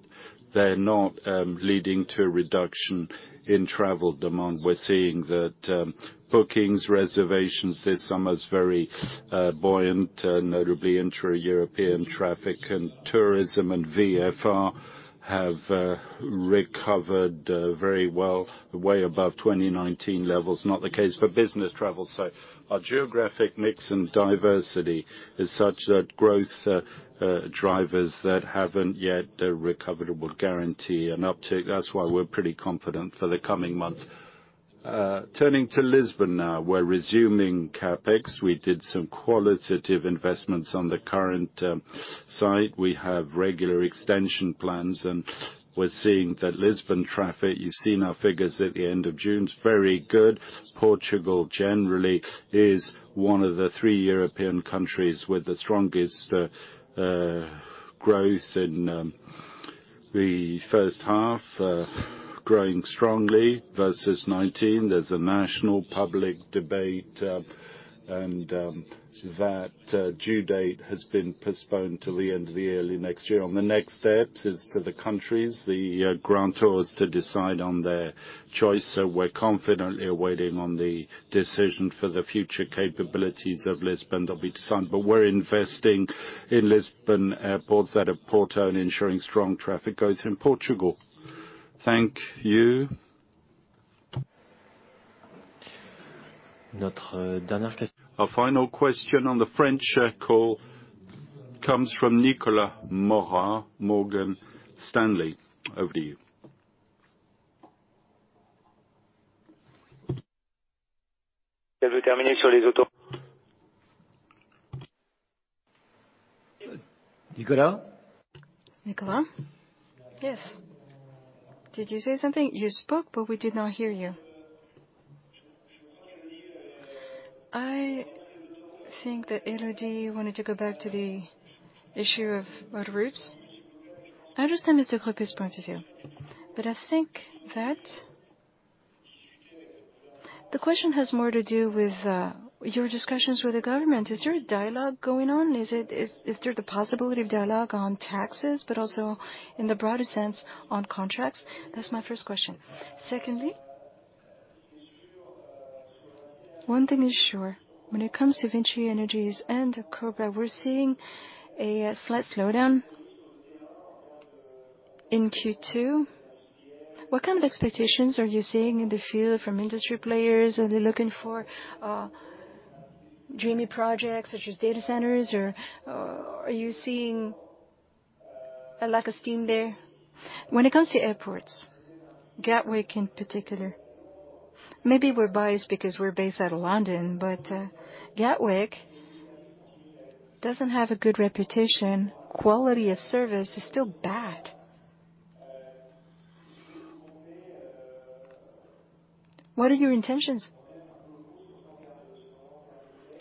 they're not leading to a reduction in travel demand. We're seeing that bookings, reservations this summer is very buoyant, notably intra-European traffic and tourism and VFR have recovered very well, way above 2019 levels, not the case for business travel. Our geographic mix and diversity is such that growth drivers that haven't yet recovered will guarantee an uptick. That's why we're pretty confident for the coming months. Turning to Lisbon now, we're resuming CapEx. We did some qualitative investments on the current site. We have regular extension plans, and we're seeing that Lisbon traffic, you've seen our figures at the end of June, is very good. Portugal, generally, is one of the three European countries with the strongest growth in the first half, growing strongly versus 2019. There's a national public debate, and that due date has been postponed till the end of the year, early next year. On the next steps, is to the countries, the grantors to decide on their choice. We're confidently awaiting on the decision for the future capabilities of Lisbon. They'll be decided, but we're investing in Lisbon airports out of Porto and ensuring strong traffic goes in Portugal. Thank you. Our final question on the French call comes from Nicholas Mora, Morgan Stanley. Over to you. Nicolas? Nicolas? Yes. Did you say something? You spoke, but we did not hear you. I think that Elodie wanted to go back to the issue of autoroutes. I understand Mr. Coppé's point of view, but I think that the question has more to do with your discussions with the government. Is there a dialogue going on? Is there the possibility of dialogue on taxes, but also in the broader sense, on contracts? That's my first question. One thing is sure, when it comes to Vinci Energies and Cobra, we're seeing a slight slowdown in Q2. What kind of expectations are you seeing in the field from industry players? Are they looking for dreamy projects such as data centers, or are you seeing a lack of steam there? When it comes to airports, Gatwick in particular, maybe we're biased because we're based out of London, but Gatwick doesn't have a good reputation. Quality of service is still bad. What are your intentions?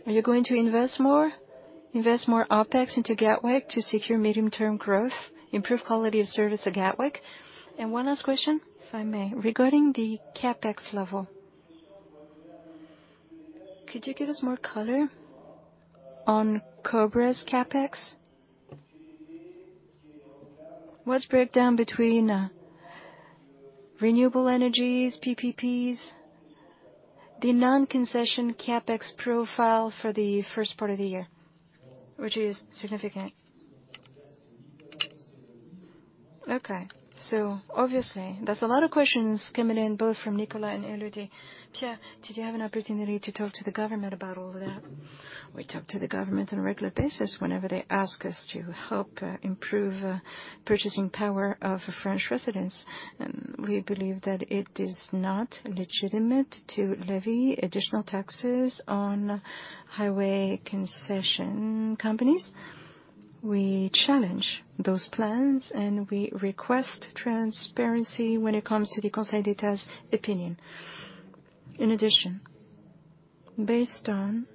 Are you going to invest more, invest more OpEx into Gatwick to secure medium-term growth, improve quality of service at Gatwick? One last question, if I may. Regarding the CapEx level, could you give us more color on Cobra's CapEx? What's breakdown between renewable energies, PPPs, the non-concession CapEx profile for the first part of the year, which is significant? Obviously, there's a lot of questions coming in, both from Nicolas and Elodie. Pierre, did you have an opportunity to talk to the government about all of that? We talk to the government on a regular basis whenever they ask us to help improve purchasing power of French residents. We believe that it is not legitimate to levy additional taxes on highway concession companies. We challenge those plans, and we request transparency when it comes to the Conseil d'État opinion. In addition, based on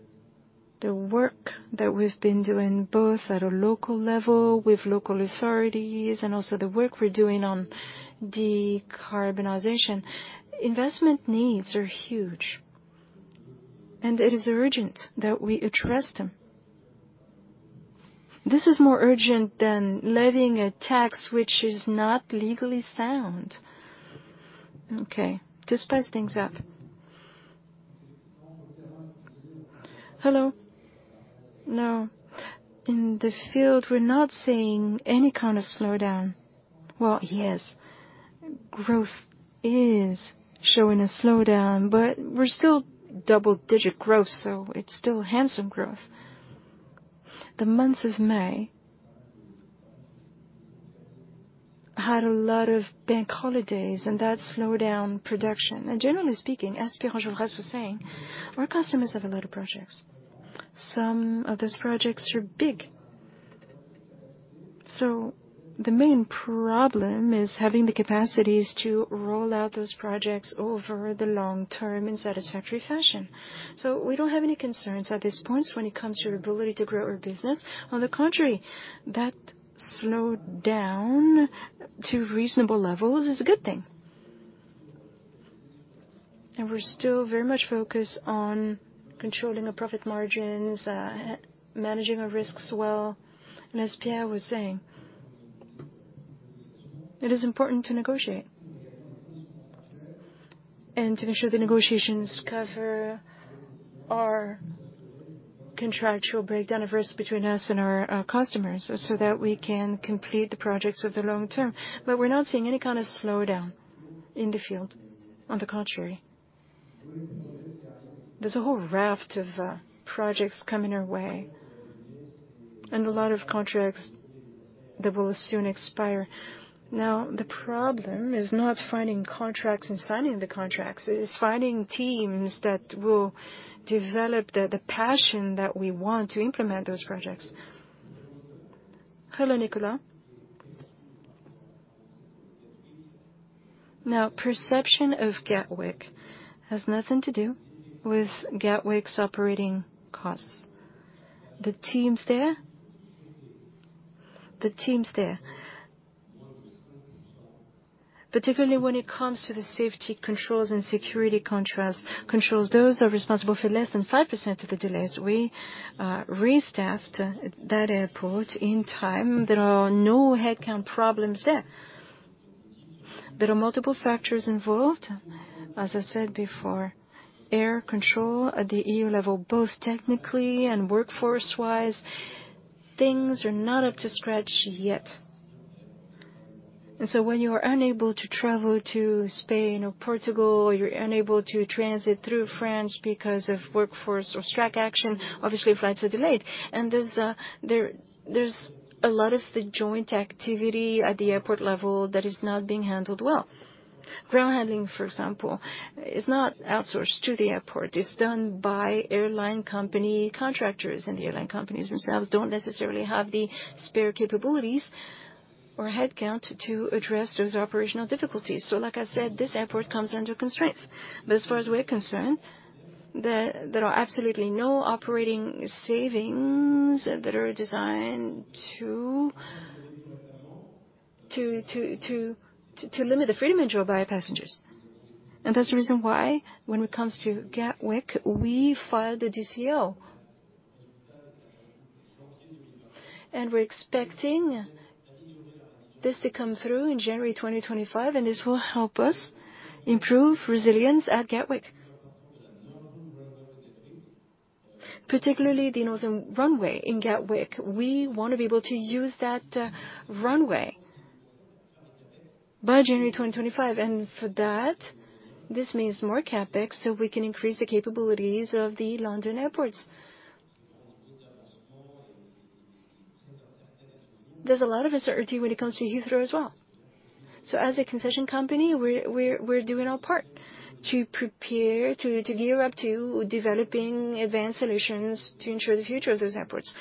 the work that we've been doing, both at a local level with local authorities and also the work we're doing on decarbonization, investment needs are huge, and it is urgent that we address them. This is more urgent than levying a tax which is not legally sound. Okay, to spice things up. Hello. Now, in the field, we're not seeing any kind of slowdown. Well, yes, growth is showing a slowdown, but we're still double-digit growth, so it's still handsome growth. The month of May had a lot of bank holidays, and that slowed down production. Generally speaking, as Pierre Anjolras was saying, our customers have a lot of projects. Some of those projects are big. The main problem is having the capacities to roll out those projects over the long term in satisfactory fashion. We don't have any concerns at this point when it comes to our ability to grow our business. On the contrary, that slowdown to reasonable levels is a good thing. We're still very much focused on controlling our profit margins, managing our risks well. As Pierre was saying, it is important to negotiate and to make sure the negotiations cover our contractual breakdown of risk between us and our, our customers, so that we can complete the projects over the long term. We're not seeing any kind of slowdown in the field. On the contrary, there's a whole raft of projects coming our way and a lot of contracts that will soon expire. Now, the problem is not finding contracts and signing the contracts. It is finding teams that will develop the passion that we want to implement those projects. Hello, Nicolas. Now, perception of Gatwick has nothing to do with Gatwick's operating costs. The teams there, particularly when it comes to the safety controls and security controls, those are responsible for less than 5% of the delays. We restaffed that airport in time. There are no headcount problems there. There are multiple factors involved. As I said before, air control at the EU level, both technically and workforce-wise, things are not up to scratch yet. So when you are unable to travel to Spain or Portugal, or you're unable to transit through France because of workforce or strike action, obviously, flights are delayed. There's a lot of joint activity at the airport level that is not being handled well. Ground handling, for example, is not outsourced to the airport. It's done by airline company contractors, and the airline companies themselves don't necessarily have the spare capabilities or headcount to address those operational difficulties. Like I said, this airport comes under constraints, but as far as we're concerned, there are absolutely no operating savings that are designed to limit the freedom of travel by our passengers. That's the reason why, when it comes to Gatwick, we filed a DCO. We're expecting this to come through in January 2025, and this will help us improve resilience at Gatwick. Particularly the northern runway in Gatwick, we wanna be able to use that runway by January 2025, and for that, this means more CapEx, so we can increase the capabilities of the London airports. There's a lot of uncertainty when it comes to Heathrow as well. As a concession company, we're doing our part to prepare, to gear up to developing advanced solutions to ensure the future of those airports.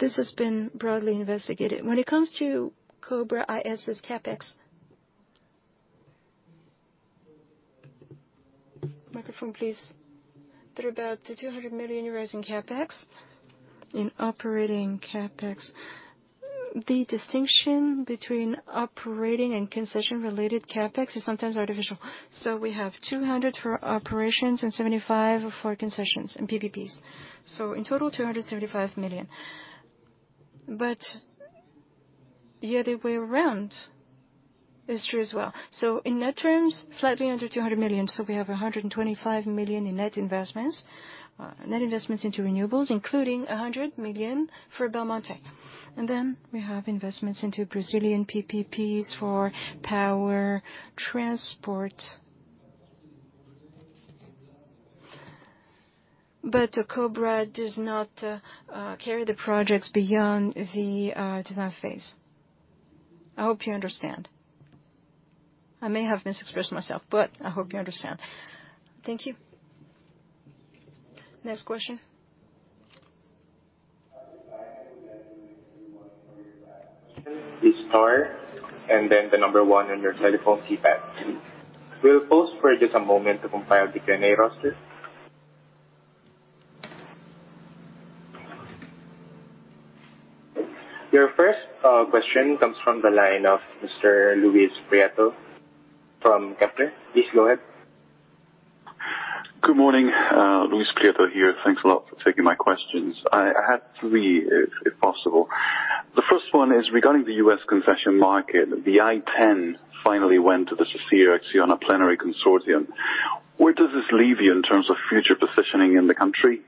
This has been broadly investigated. When it comes to Cobra IS CapEx. Microphone, please. There are about 200 million euros in CapEx, in operating CapEx. The distinction between operating and concession-related CapEx is sometimes artificial. We have 200 for operations and 75 for concessions and PPPs. In total, 275 million. The other way around is true as well. In net terms, slightly under 200 million, so we have 125 million in net investments, net investments into renewables, including 100 million for Belmonte. Then we have investments into Brazilian PPPs for power, transport. Cobra does not carry the projects beyond the design phase. I hope you understand. I may have misexpressed myself, but I hope you understand. Thank you. Next question. Please star, and then the 1 on your telephone keypad. We'll pause for just a moment to compile the Q&A roster. Your first question comes from the line of Mr. Luis Prieto from Kepler. Please go ahead. Good morning, Luis Prieto here. Thanks a lot for taking my questions. I, I have 3, if, if possible. The first one is regarding the U.S. concession market, the I-10 finally went to the uncertain on a plenary consortium. Where does this leave you in terms of future positioning in the country?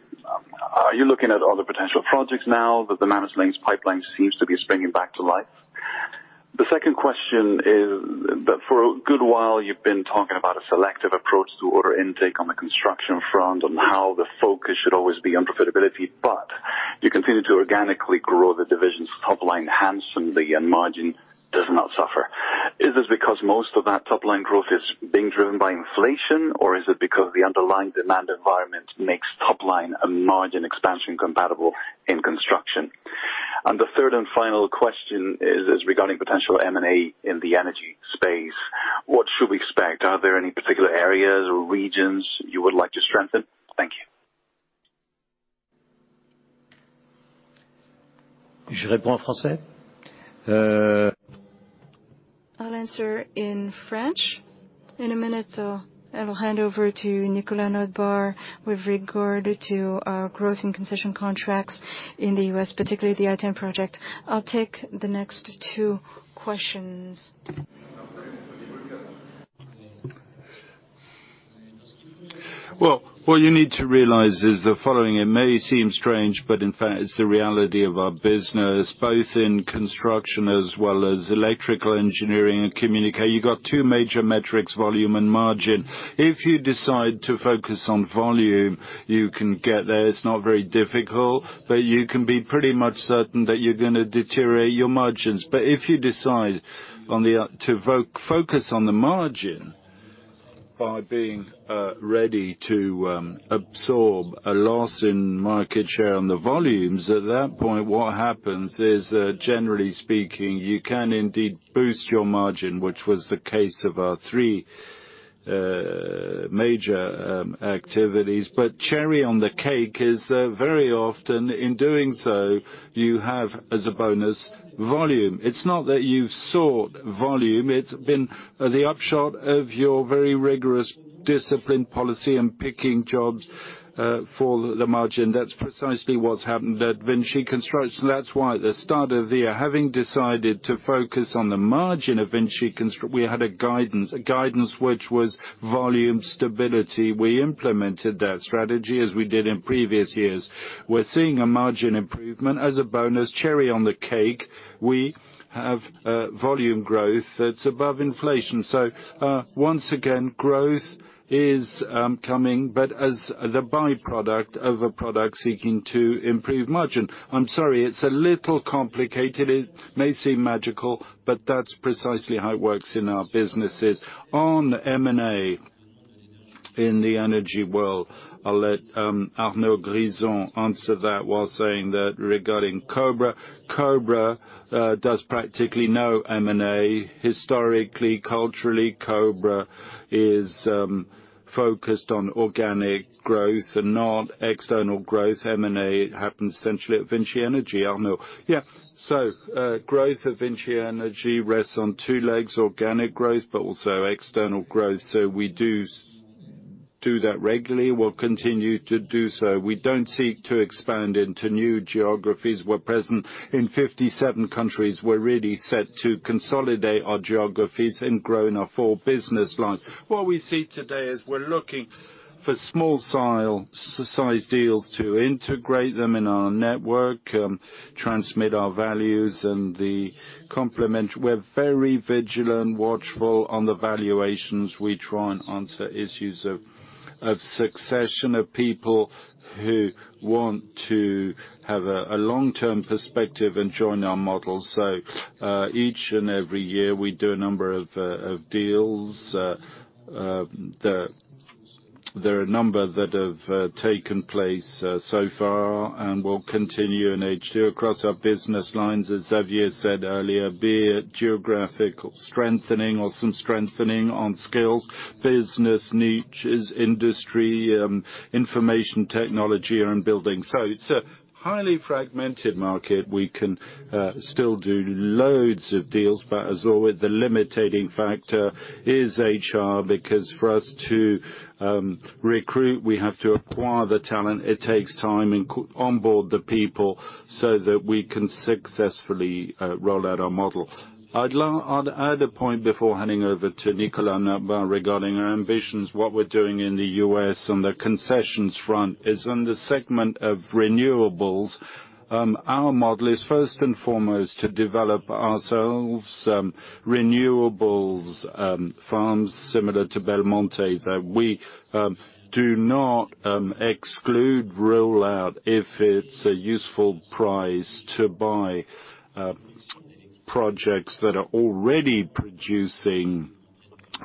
Are you looking at other potential projects now that the uncertain seems to be springing back to life? The second question is, for a good while, you've been talking about a selective approach to order intake on the construction front, on how the focus should always be on profitability, but you continue to organically grow the division's top line handsomely and margin does not suffer. Is this because most of that top-line growth is being driven by inflation, or is it because the underlying demand environment makes top-line and margin expansion compatible in construction? The third and final question is regarding potential M&A in the energy space. What should we expect? Are there any particular areas or regions you would like to strengthen? Thank you. I'll answer in French. In a minute, I will hand over to Nicolas Notebaert with regard to our growth in concession contracts in the U.S., particularly the I-10 project. I'll take the next two questions. Well, what you need to realize is the following: it may seem strange, but in fact, it's the reality of our business, both in construction as well as electrical engineering and communication. You got 2 major metrics, volume and margin. If you decide to focus on volume, you can get there. It's not very difficult, but you can be pretty much certain that you're gonna deteriorate your margins. If you decide on the focus on the margin by being ready to absorb a loss in market share on the volumes, at that point, what happens is generally speaking, you can indeed boost your margin, which was the case of our 3 major activities. Cherry on the cake is very often in doing so, you have, as a bonus, volume. It's not that you've sought volume, it's been, the upshot of your very rigorous discipline policy and picking jobs, for the, the margin. That's precisely what's happened at Vinci Construction. That's why at the start of the year, having decided to focus on the margin of Vinci Construction, we had a guidance, a guidance which was volume stability. We implemented that strategy as we did in previous years. We're seeing a margin improvement. As a bonus, cherry on the cake, we have, volume growth that's above inflation. Once again, growth is coming, but as the by-product of a product seeking to improve margin. I'm sorry, it's a little complicated. It may seem magical, but that's precisely how it works in our businesses. On M&A in the energy world, I'll let Arnaud Grison answer that while saying that regarding Cobra. Cobra, does practically no M&A. Historically, culturally, Cobra is focused on organic growth and not external growth. M&A happens essentially at VINCI Energies. Arnaud? Yeah. So, growth at VINCI Energies rests on two legs, organic growth, but also external growth. We do. do that regularly, we'll continue to do so. We don't seek to expand into new geographies. We're present in 57 countries. We're really set to consolidate our geographies and grow in our four business lines. What we see today is we're looking for small-sized deals to integrate them in our network, transmit our values and the complement. We're very vigilant and watchful on the valuations. We try and answer issues of, of succession, of people who want to have a, a long-term perspective and join our model. Each and every year, we do a number of deals. There, there are a number that have taken place so far, and will continue in H2 across our business lines, as Xavier said earlier, be it geographic strengthening or some strengthening on skills, business niches, industry, information technology, or in building. It's a highly fragmented market. We can still do loads of deals, as always, the limiting factor is HR, because for us to recruit, we have to acquire the talent. It takes time and co- onboard the people so that we can successfully roll out our model. I'd add a point before handing over to Nicolas regarding our ambitions. What we're doing in the US on the concessions front is on the segment of renewables, our model is first and foremost to develop ourselves, renewables, farms similar to Belmonte, that we do not exclude rollout if it's a useful price to buy projects that are already producing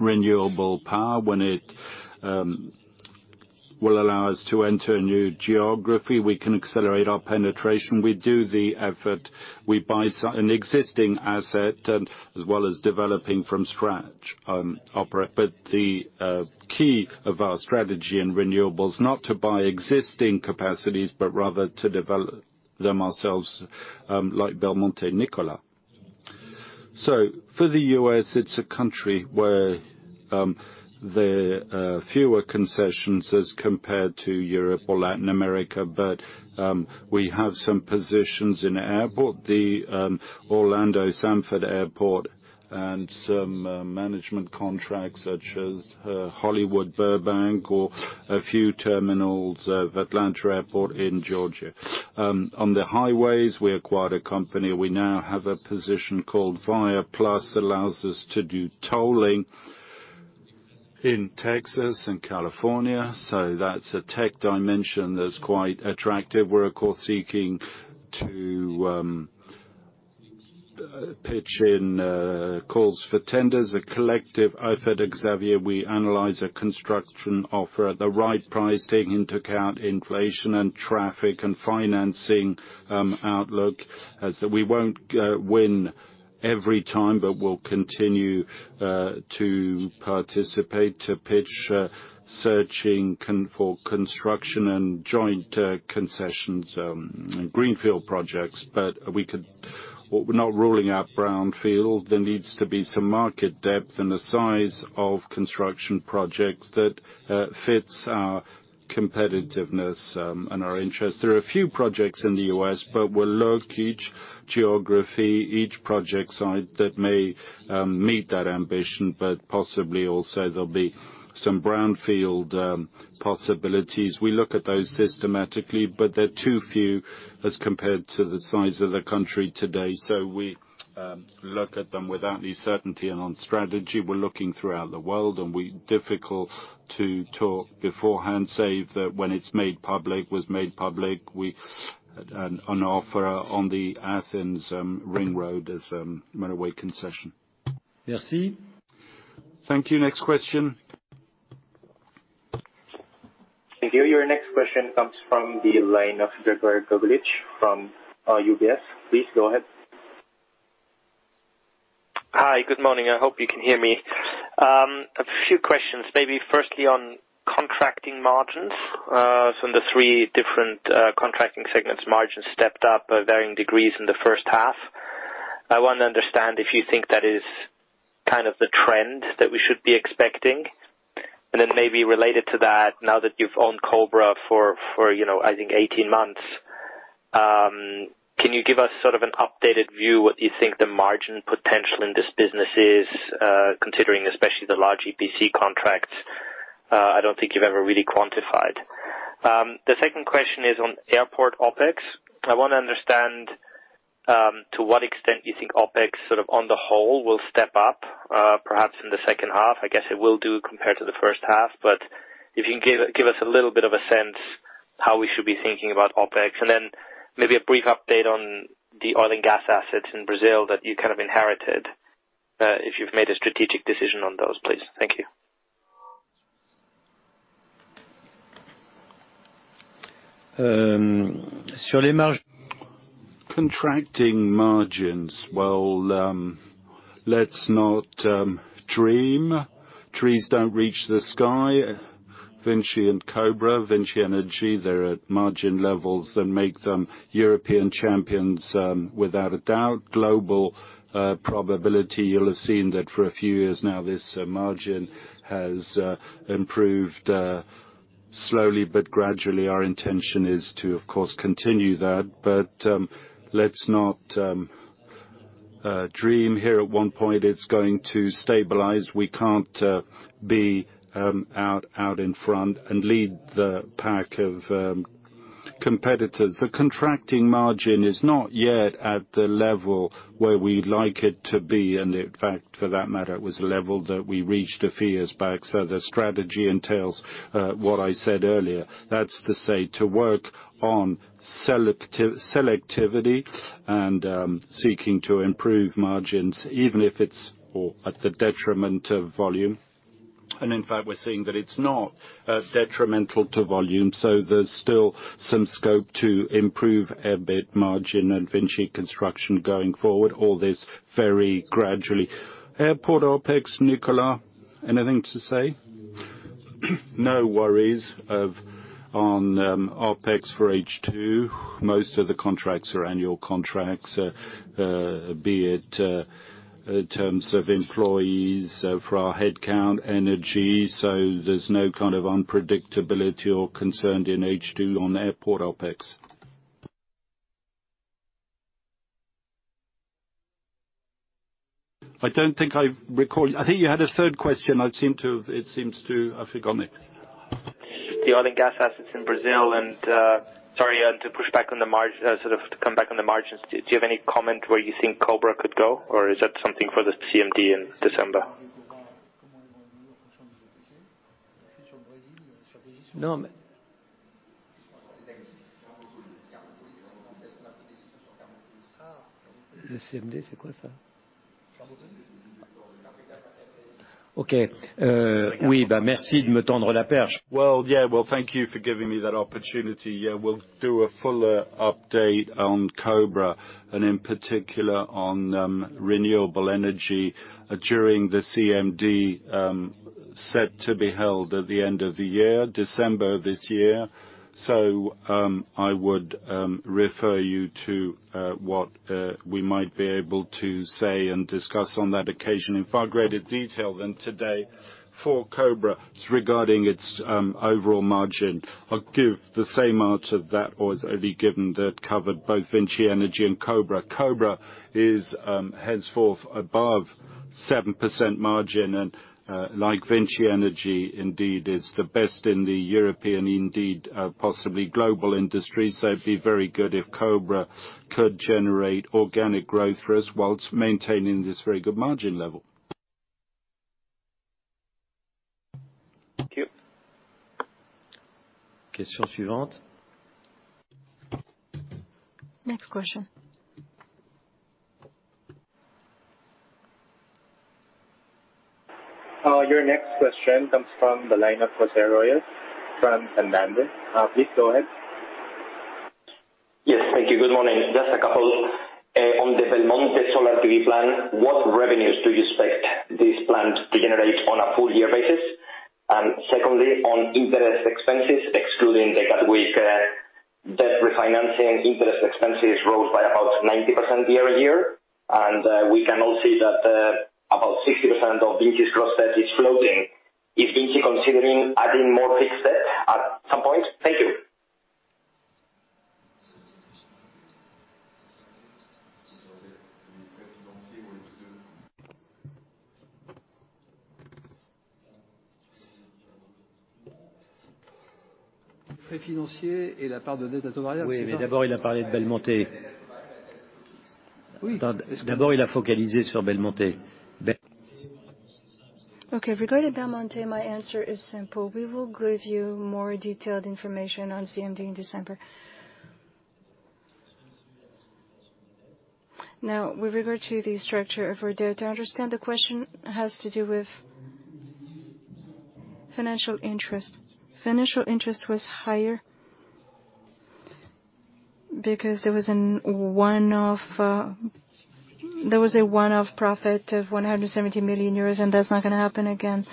renewable power. When it will allow us to enter a new geography, we can accelerate our penetration. We do the effort. We buy an existing asset as well as developing from scratch. The key of our strategy in renewables, not to buy existing capacities, but rather to develop them ourselves, like Belmonte. Nicolas? For the U.S., it's a country where there are fewer concessions as compared to Europe or Latin America, we have some positions in airport, the Orlando Sanford Airport, and some management contracts such as Hollywood Burbank, or a few terminals of Atlanta Airport in Georgia. On the highways, we acquired a company. We now have a position called ViaPlus, allows us to do tolling in Texas and California. That's a tech dimension that's quite attractive. We're, of course, seeking to pitch in calls for tenders. A collective, I've heard Xavier, we analyze a construction offer at the right price, taking into account inflation and traffic and financing outlook, as that we won't win every time, but we'll continue to participate, to pitch, searching for construction and joint concessions, greenfield projects. We could-- We're not ruling out brownfield. There needs to be some market depth and the size of construction projects that fits our competitiveness and our interest. There are a few projects in the US, but we'll look each geography, each project site that may meet that ambition, but possibly also there'll be some brownfield possibilities. We look at those systematically, but they're too few as compared to the size of the country today, so we look at them with certainty and on strategy. We're looking throughout the world, and we difficult to talk beforehand, save that when it's made public, was made public, we. An offer on the Athens ring road as motorway concession. Merci. Thank you. Next question? Thank you. Your next question comes from the line of Grégoire Doudron from UBS. Please go ahead. Hi, good morning. I hope you can hear me. A few questions, maybe firstly on contracting margins. In the three different contracting segments, margins stepped up at varying degrees in the first half. I want to understand if you think that is kind of the trend that we should be expecting. Maybe related to that, now that you've owned Cobra for, for, you know, I think 18 months, can you give us sort of an updated view, what you think the margin potential in this business is, considering especially the large EPC contracts, I don't think you've ever really quantified? The second question is on airport OpEx. I want to understand to what extent you think OpEx, sort of on the whole, will step up, perhaps in the second half. I guess it will do compared to the first half, but if you can give, give us a little bit of a sense how we should be thinking about OpEx? Then maybe a brief update on the oil and gas assets in Brazil that you kind of inherited, if you've made a strategic decision on those, please. Thank you. Sure. Contracting margins. Well, let's not dream. Trees don't reach the sky. Vinci and Cobra, VINCI Energies, they're at margin levels that make them European champions, without a doubt. Global probability, you'll have seen that for a few years now, this margin has improved... Slowly but gradually, our intention is to, of course, continue that. Let's not dream here. At one point, it's going to stabilize. We can't be out, out in front and lead the pack of competitors. The contracting margin is not yet at the level where we'd like it to be, and in fact, for that matter, it was a level that we reached a few years back. The strategy entails what I said earlier. That's to say, to work on selectivity and, seeking to improve margins, even if it's or at the detriment of volume. In fact, we're seeing that it's not detrimental to volume, so there's still some scope to improve EBIT margin and Vinci Construction going forward, all this very gradually. Airport OpEx, Nicolas, anything to say? No worries of, on, OpEx for H2. Most of the contracts are annual contracts, be it in terms of employees, for our headcount, energy, so there's no kind of unpredictability or concern in H2 on airport OpEx. I don't think I recall... I think you had a third question. I seem to have, it seems to, I've forgotten it. The oil and gas assets in Brazil and, sorry, and to push back on the margin, sort of to come back on the margins. Do, do you have any comment where you think Cobra could go, or is that something for the CMD in December? Well, yeah, well, thank you for giving me that opportunity. Yeah, we'll do a fuller update on Cobra, and in particular, on renewable energy, during the CMD, set to be held at the end of the year, December this year. I would refer you to what we might be able to say and discuss on that occasion in far greater detail than today. For Cobra, regarding its overall margin, I'll give the same answer that was already given, that covered both VINCI Energies and Cobra. Cobra is henceforth above 7% margin, and like VINCI Energies, indeed, is the best in the European, indeed, possibly global industry. It'd be very good if Cobra could generate organic growth for us while maintaining this very good margin level. Thank you. Question suivante? Next question. Your next question comes from the line of José Arroyas from Santander. Please go ahead. Yes, thank you. Good morning. Just a couple. On the Belmonte solar PV plan, what revenues do you expect this plan to generate on a full year basis? Secondly, on interest expenses, excluding the Gatwick debt refinancing, interest expenses rose by about 90% year-over-year. We can all see that, about 60% of Vinci's gross debt is floating. Is Vinci considering adding more fixed debt at some point? Thank you. Okay, regarding Belmonte, my answer is simple: We will give you more detailed information on CMD in December. With regard to the structure of our debt, I understand the question has to do with financial interest. Financial interest was higher because there was an one-off, there was a one-off profit of 170 million euros, and that's not gonna happen again.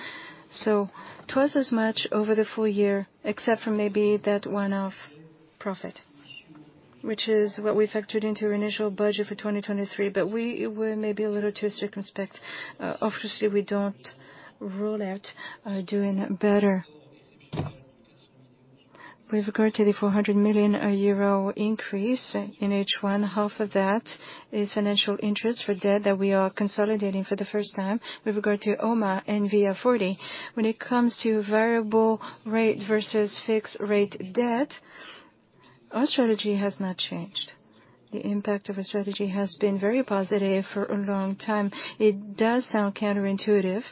Twice as much over the full year, except for maybe that one-off profit, which is what we factored into our initial budget for 2023, but we were maybe a little too circumspect. We don't rule out doing better. With regard to the 400 million euro increase in H1, half of that is financial interest for debt that we are consolidating for the first time with regard to Oma and Via 40. When it comes to variable rate versus fixed rate debt, our strategy has not changed. The impact of our strategy has been very positive for a long time. It does sound counterintuitive.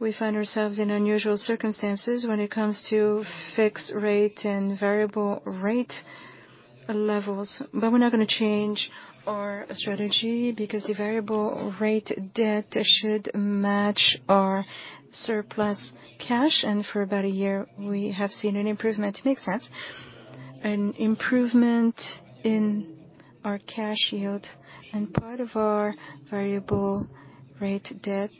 We find ourselves in unusual circumstances when it comes to fixed rate and variable rate levels, we're not gonna change our strategy because the variable rate debt should match our surplus cash. For about a year, we have seen an improvement. It makes sense. An improvement in our cash yield and part of our variable rate debt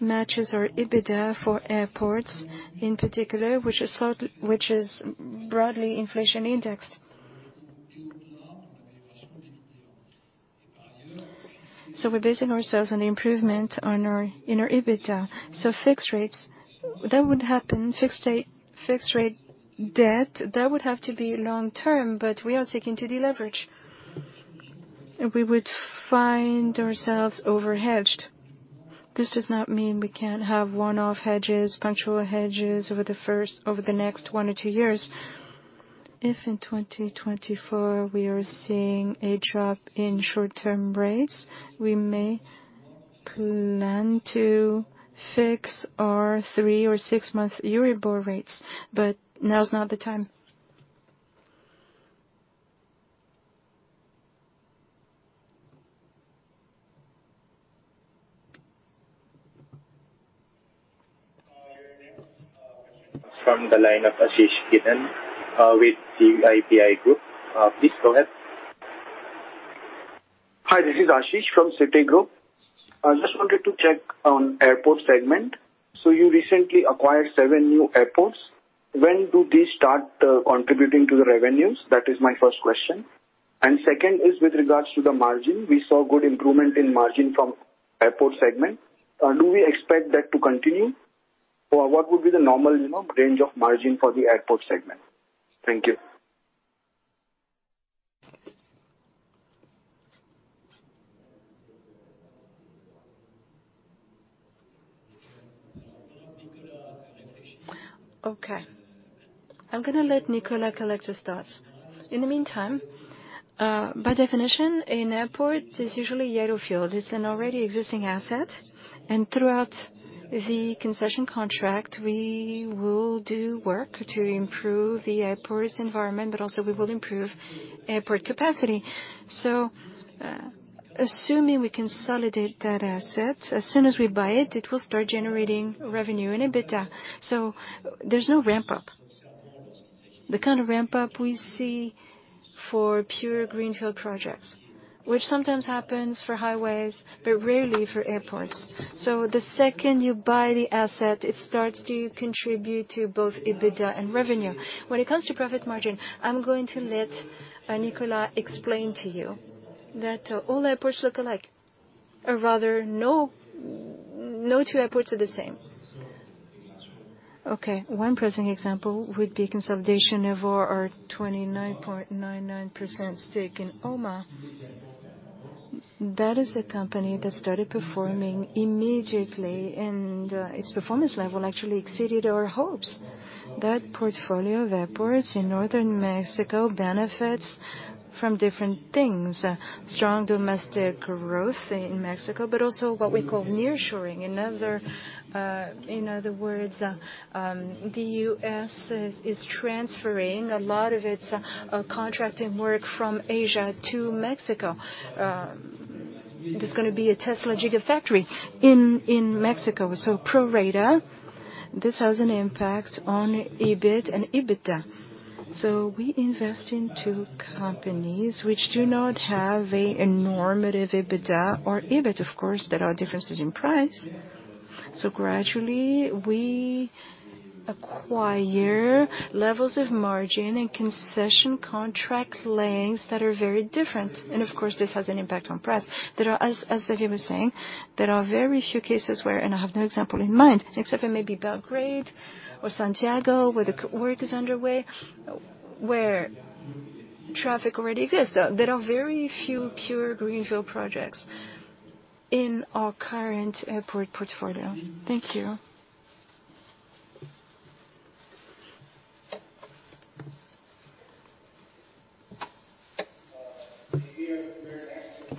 matches our EBITDA for airports in particular, which is thought. Which is broadly inflation indexed. We're basing ourselves on the improvement on our, in our EBITDA. Fixed rates, that would happen. Fixed rate, fixed rate debt, that would have to be long term, we are seeking to deleverage. We would find ourselves over-hedged. This does not mean we can't have one-off hedges, punctual hedges over the first, over the next 1 or 2 years. If in 2024 we are seeing a drop in short-term rates, we may plan to fix our 3 or 6-month Euribor rates, but now is not the time. Your next from the line of Ashish Gidwani with the Citigroup. Please go ahead. Hi, this is Ashish from Citigroup. I just wanted to check on airport segment. You recently acquired seven new airports. When do these start contributing to the revenues? That is my first question. Second is with regards to the margin. We saw good improvement in margin from airport segment. Do we expect that to continue, or what would be the normal, you know, range of margin for the airport segment? Thank you. Nicolas Okay, I'm gonna let Nicolas collect his thoughts. In the meantime, by definition, an airport is usually brownfield. It's an already existing asset, throughout the concession contract, we will do work to improve the airport's environment, but also we will improve airport capacity. Assuming we consolidate that asset, as soon as we buy it, it will start generating revenue and EBITDA. There's no ramp up. The kind of ramp up we see for pure greenfield projects, which sometimes happens for highways, but rarely for airports. The second you buy the asset, it starts to contribute to both EBITDA and revenue. When it comes to profit margin, I'm going to let Nicolas explain to you that all airports look alike, or rather, no, no two airports are the same. Okay. One present example would be consolidation of our, our 29.99% stake in OMA. That is a company that started performing immediately, and its performance level actually exceeded our hopes. That portfolio of airports in Northern Mexico benefits from different things, strong domestic growth in Mexico, but also what we call nearshoring. In other words, the U.S. is transferring a lot of its contracting work from Asia to Mexico. There's gonna be a Tesla Gigafactory in Mexico. Pro rata, this has an impact on EBIT and EBITDA. We invest in 2 companies which do not have a normative EBITDA or EBIT, of course, there are differences in price. Gradually, we acquire levels of margin and concession contract lengths that are very different, and of course, this has an impact on price. There are as Olivia was saying, there are very few cases where, and I have no example in mind, except for maybe Belgrade or Santiago, where the work is underway, where traffic already exists. There are very few pure greenfield projects in our current airport portfolio. Thank you.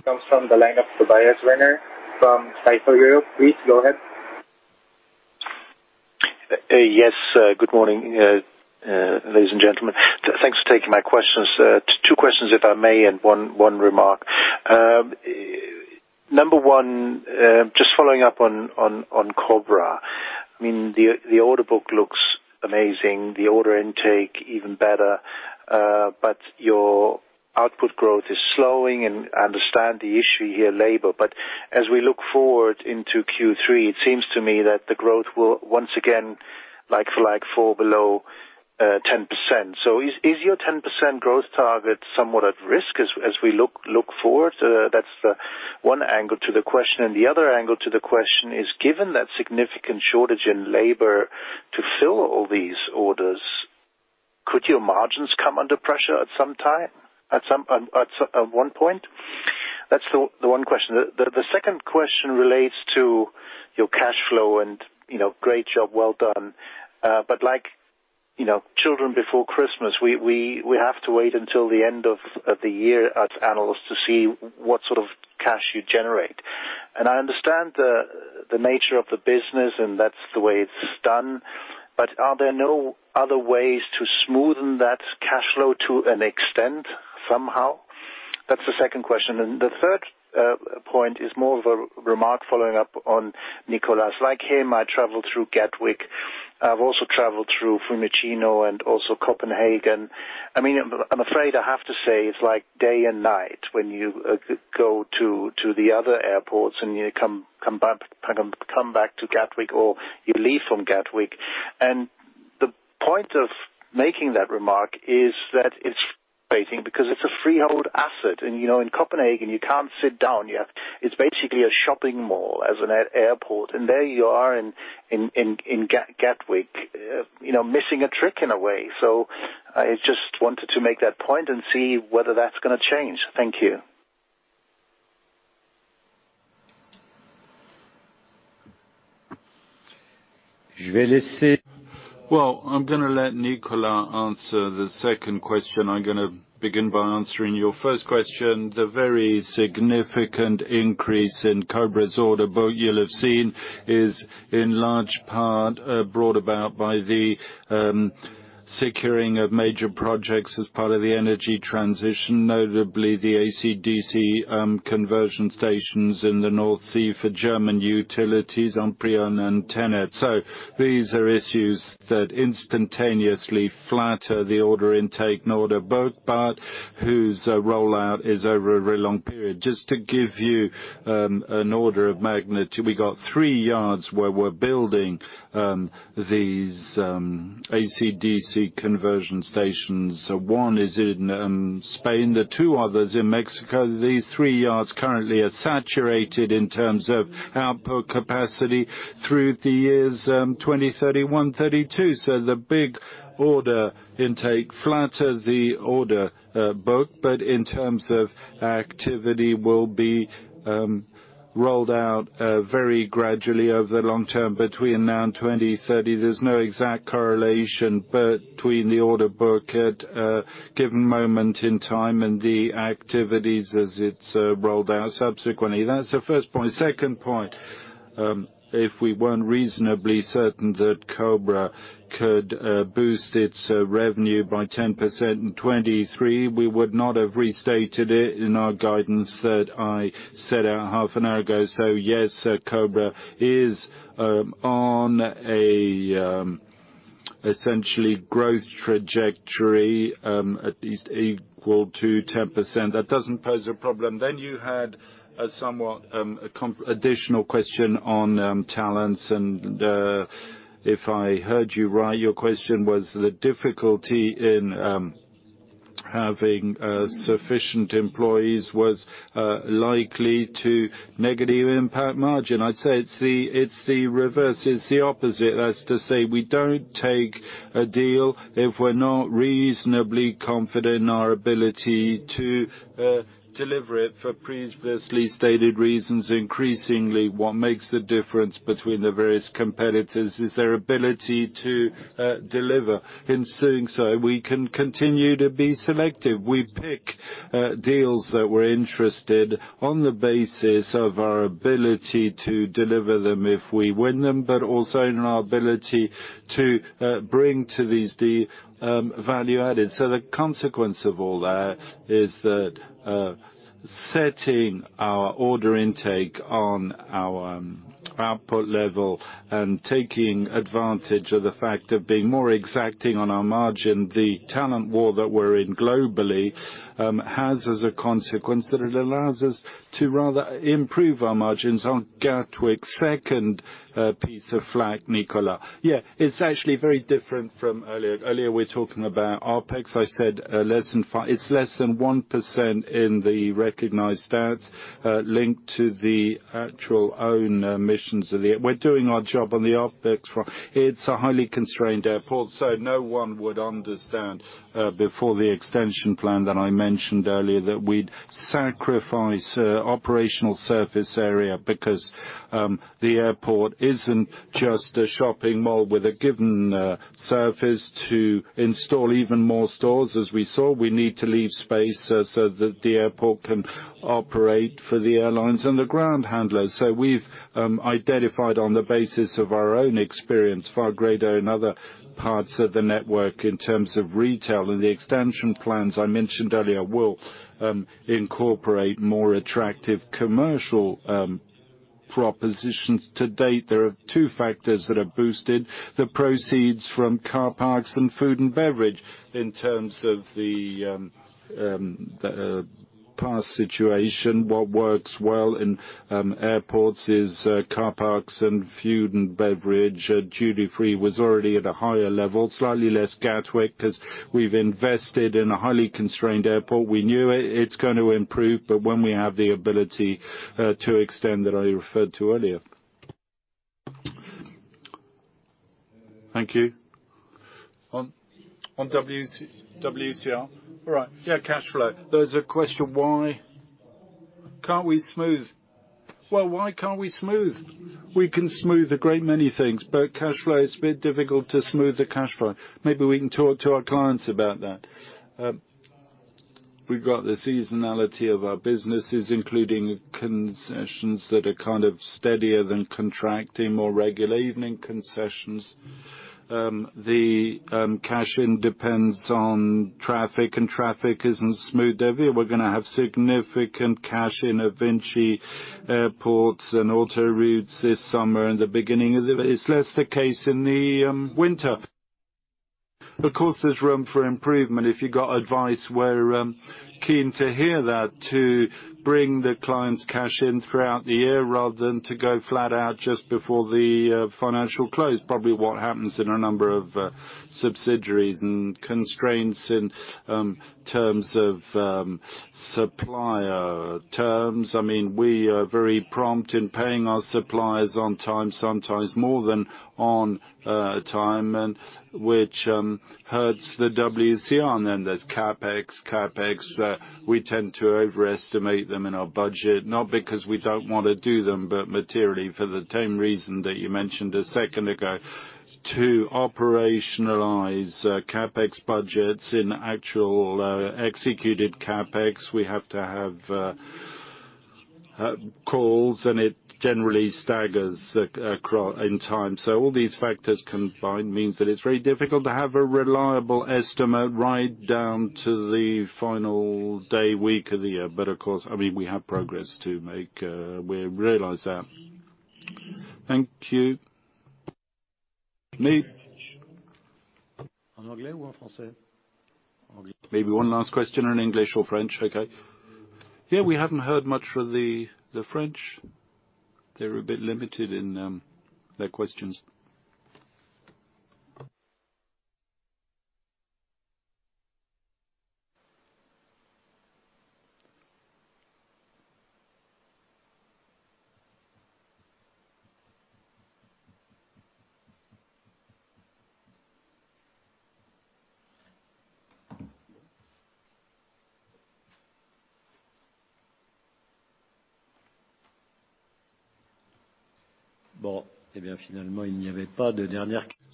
Your next comes from the line of Tobias Renner from Citi Europe. Please go ahead. Yes, good morning, ladies and gentlemen. Thanks for taking my questions. two questions, if I may, and one, one remark. Number one, just following up on, on, on Cobra. I mean, the, the order book looks amazing, the order intake even better, but your output growth is slowing, and I understand the issue here, labor. As we look forward into Q3, it seems to me that the growth will once again, like for like, fall below, 10%. Is, is your 10% growth target somewhat at risk as, as we look, look forward? That's the one angle to the question. The other angle to the question is, given that significant shortage in labor to fill all these orders, could your margins come under pressure at some time, at 1 point? That's the 1 question. The second question relates to your cash flow and, you know, great job well done. But like, you know, children before Christmas, we, we, we have to wait until the end of the year as analysts to see what sort of cash you generate. I understand the nature of the business, and that's the way it's done, but are there no other ways to smoothen that cash flow to an extent, somehow? That's the second question. The third point is more of a remark following up on Nicolas. Like him, I travel through Gatwick. I've also traveled through Fiumicino and also Copenhagen. I mean, I'm, I'm afraid I have to say, it's like day and night when you go to, to the other airports and you come, come back, come back to Gatwick or you leave from Gatwick. Point of making that remark is that it's amazing because it's a freehold asset, and, you know, in Copenhagen, you can't sit down yet. It's basically a shopping mall as an air-airport, and there you are in, in, in, in Gatwick, you know, missing a trick in a way. I just wanted to make that point and see whether that's gonna change. Thank you. Well, I'm gonna let Nicolas answer the second question. I'm gonna begin by answering your first question. The very significant increase in Cobra's order book you'll have seen is in large part brought about by the securing of major projects as part of the energy transition, notably the AC/DC conversion stations in the North Sea for German utilities, Amprion and TenneT. These are issues that instantaneously flatter the order intake and order book, but whose rollout is over a very long period. Just to give you an order of magnitude, we got three yards where we're building these AC/DC conversion stations. One is in Spain, the two others in Mexico. These three yards currently are saturated in terms of output capacity through the years 2031, 2032. The big order intake flatters the order book, but in terms of activity will be rolled out very gradually over the long term between now and 2030. There's no exact correlation between the order book at a given moment in time and the activities as it's rolled out subsequently. That's the first point. Second point, if we weren't reasonably certain that Cobra could boost its revenue by 10% in 2023, we would not have restated it in our guidance that I set out half an hour ago. Yes, Cobra is on a essentially growth trajectory at least equal to 10%. That doesn't pose a problem. You had a somewhat additional question on talents, and if I heard you right, your question was the difficulty in having sufficient employees was likely to negatively impact margin. I'd say it's the, it's the reverse, it's the opposite. That's to say, we don't take a deal if we're not reasonably confident in our ability to deliver it for previously stated reasons. Increasingly, what makes a difference between the various competitors is their ability to deliver. In doing so, we can continue to be selective. We pick deals that we're interested on the basis of our ability to deliver them if we win them, but also in our ability to bring to these value added. The consequence of all that is that, setting our order intake on our output level and taking advantage of the fact of being more exacting on our margin, the talent war that we're in globally, has as a consequence, that it allows us to rather improve our margins on Gatwick. Second, piece of flag, Nicolas. Yeah, it's actually very different from earlier. Earlier, we're talking about ARPUs. I said, less than it's less than 1% in the recognized stats, linked to the actual own missions of the... We're doing our job on the ARPUs front. It's a highly constrained airport, so no one would understand, before the extension plan that I mentioned earlier, that we'd sacrifice operational surface area because the airport isn't just a shopping mall with a given surface to install even more stores. As we saw, we need to leave space, so that the airport can operate for the airlines and the ground handlers. We've identified on the basis of our own experience, far greater in other parts of the network, in terms of retail, and the extension plans I mentioned earlier will incorporate more attractive commercial propositions. To date, there are two factors that are boosted, the proceeds from car parks and food and beverage. In terms of the past situation, what works well in airports is car parks and food and beverage. Duty free was already at a higher level, slightly less Gatwick, 'cause we've invested in a highly constrained airport. We knew it, it's going to improve, but when we have the ability to extend, that I referred to earlier. Thank you. On, on W- WCR? All right. Yeah, cash flow. There's a question, why can't we smooth? Well, why can't we smooth? We can smooth a great many things, but cash flow, it's a bit difficult to smooth the cash flow. Maybe we can talk to our clients about that. We've got the seasonality of our businesses, including concessions that are kind of steadier than contracting, more regular evening concessions. The cash in depends on traffic, and traffic isn't smooth everywhere. We're gonna have significant cash in Vinci airports and autoroutes this summer and the beginning of it. It's less the case in the winter. Of course, there's room for improvement. If you've got advice, we're keen to hear that, to bring the clients' cash in throughout the year rather than to go flat out just before the financial close. Probably what happens in a number of subsidiaries and constraints in terms of supplier terms. I mean, we are very prompt in paying our suppliers on time, sometimes more than on time, and which hurts the WCR. Then there's CapEx. CapEx, we tend to overestimate them in our budget, not because we don't want to do them, but materially for the same reason that you mentioned a second ago. To operationalize CapEx budgets in actual executed CapEx, we have to have calls, and it generally staggers in time. All these factors combined means that it's very difficult to have a reliable estimate right down to the final day, week of the year. Of course, I mean, we have progress to make, we realize that. Thank you. Me? Maybe one last question in English or French. Okay. Yeah, we haven't heard much from the French. They're a bit limited in their questions.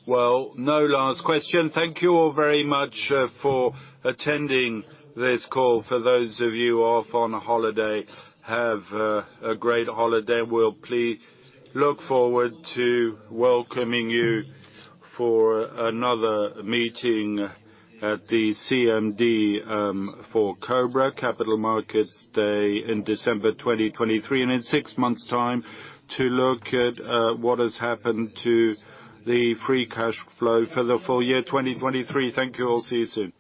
Well, no last question. Thank you all very much for attending this call. For those of you off on holiday, have a great holiday, and we'll look forward to welcoming you for another meeting at the CMD, for Cobra, Capital Markets Day in December 2023, and in six months' time to look at what has happened to the free cash flow for the full year 2023. Thank you all. See you soon.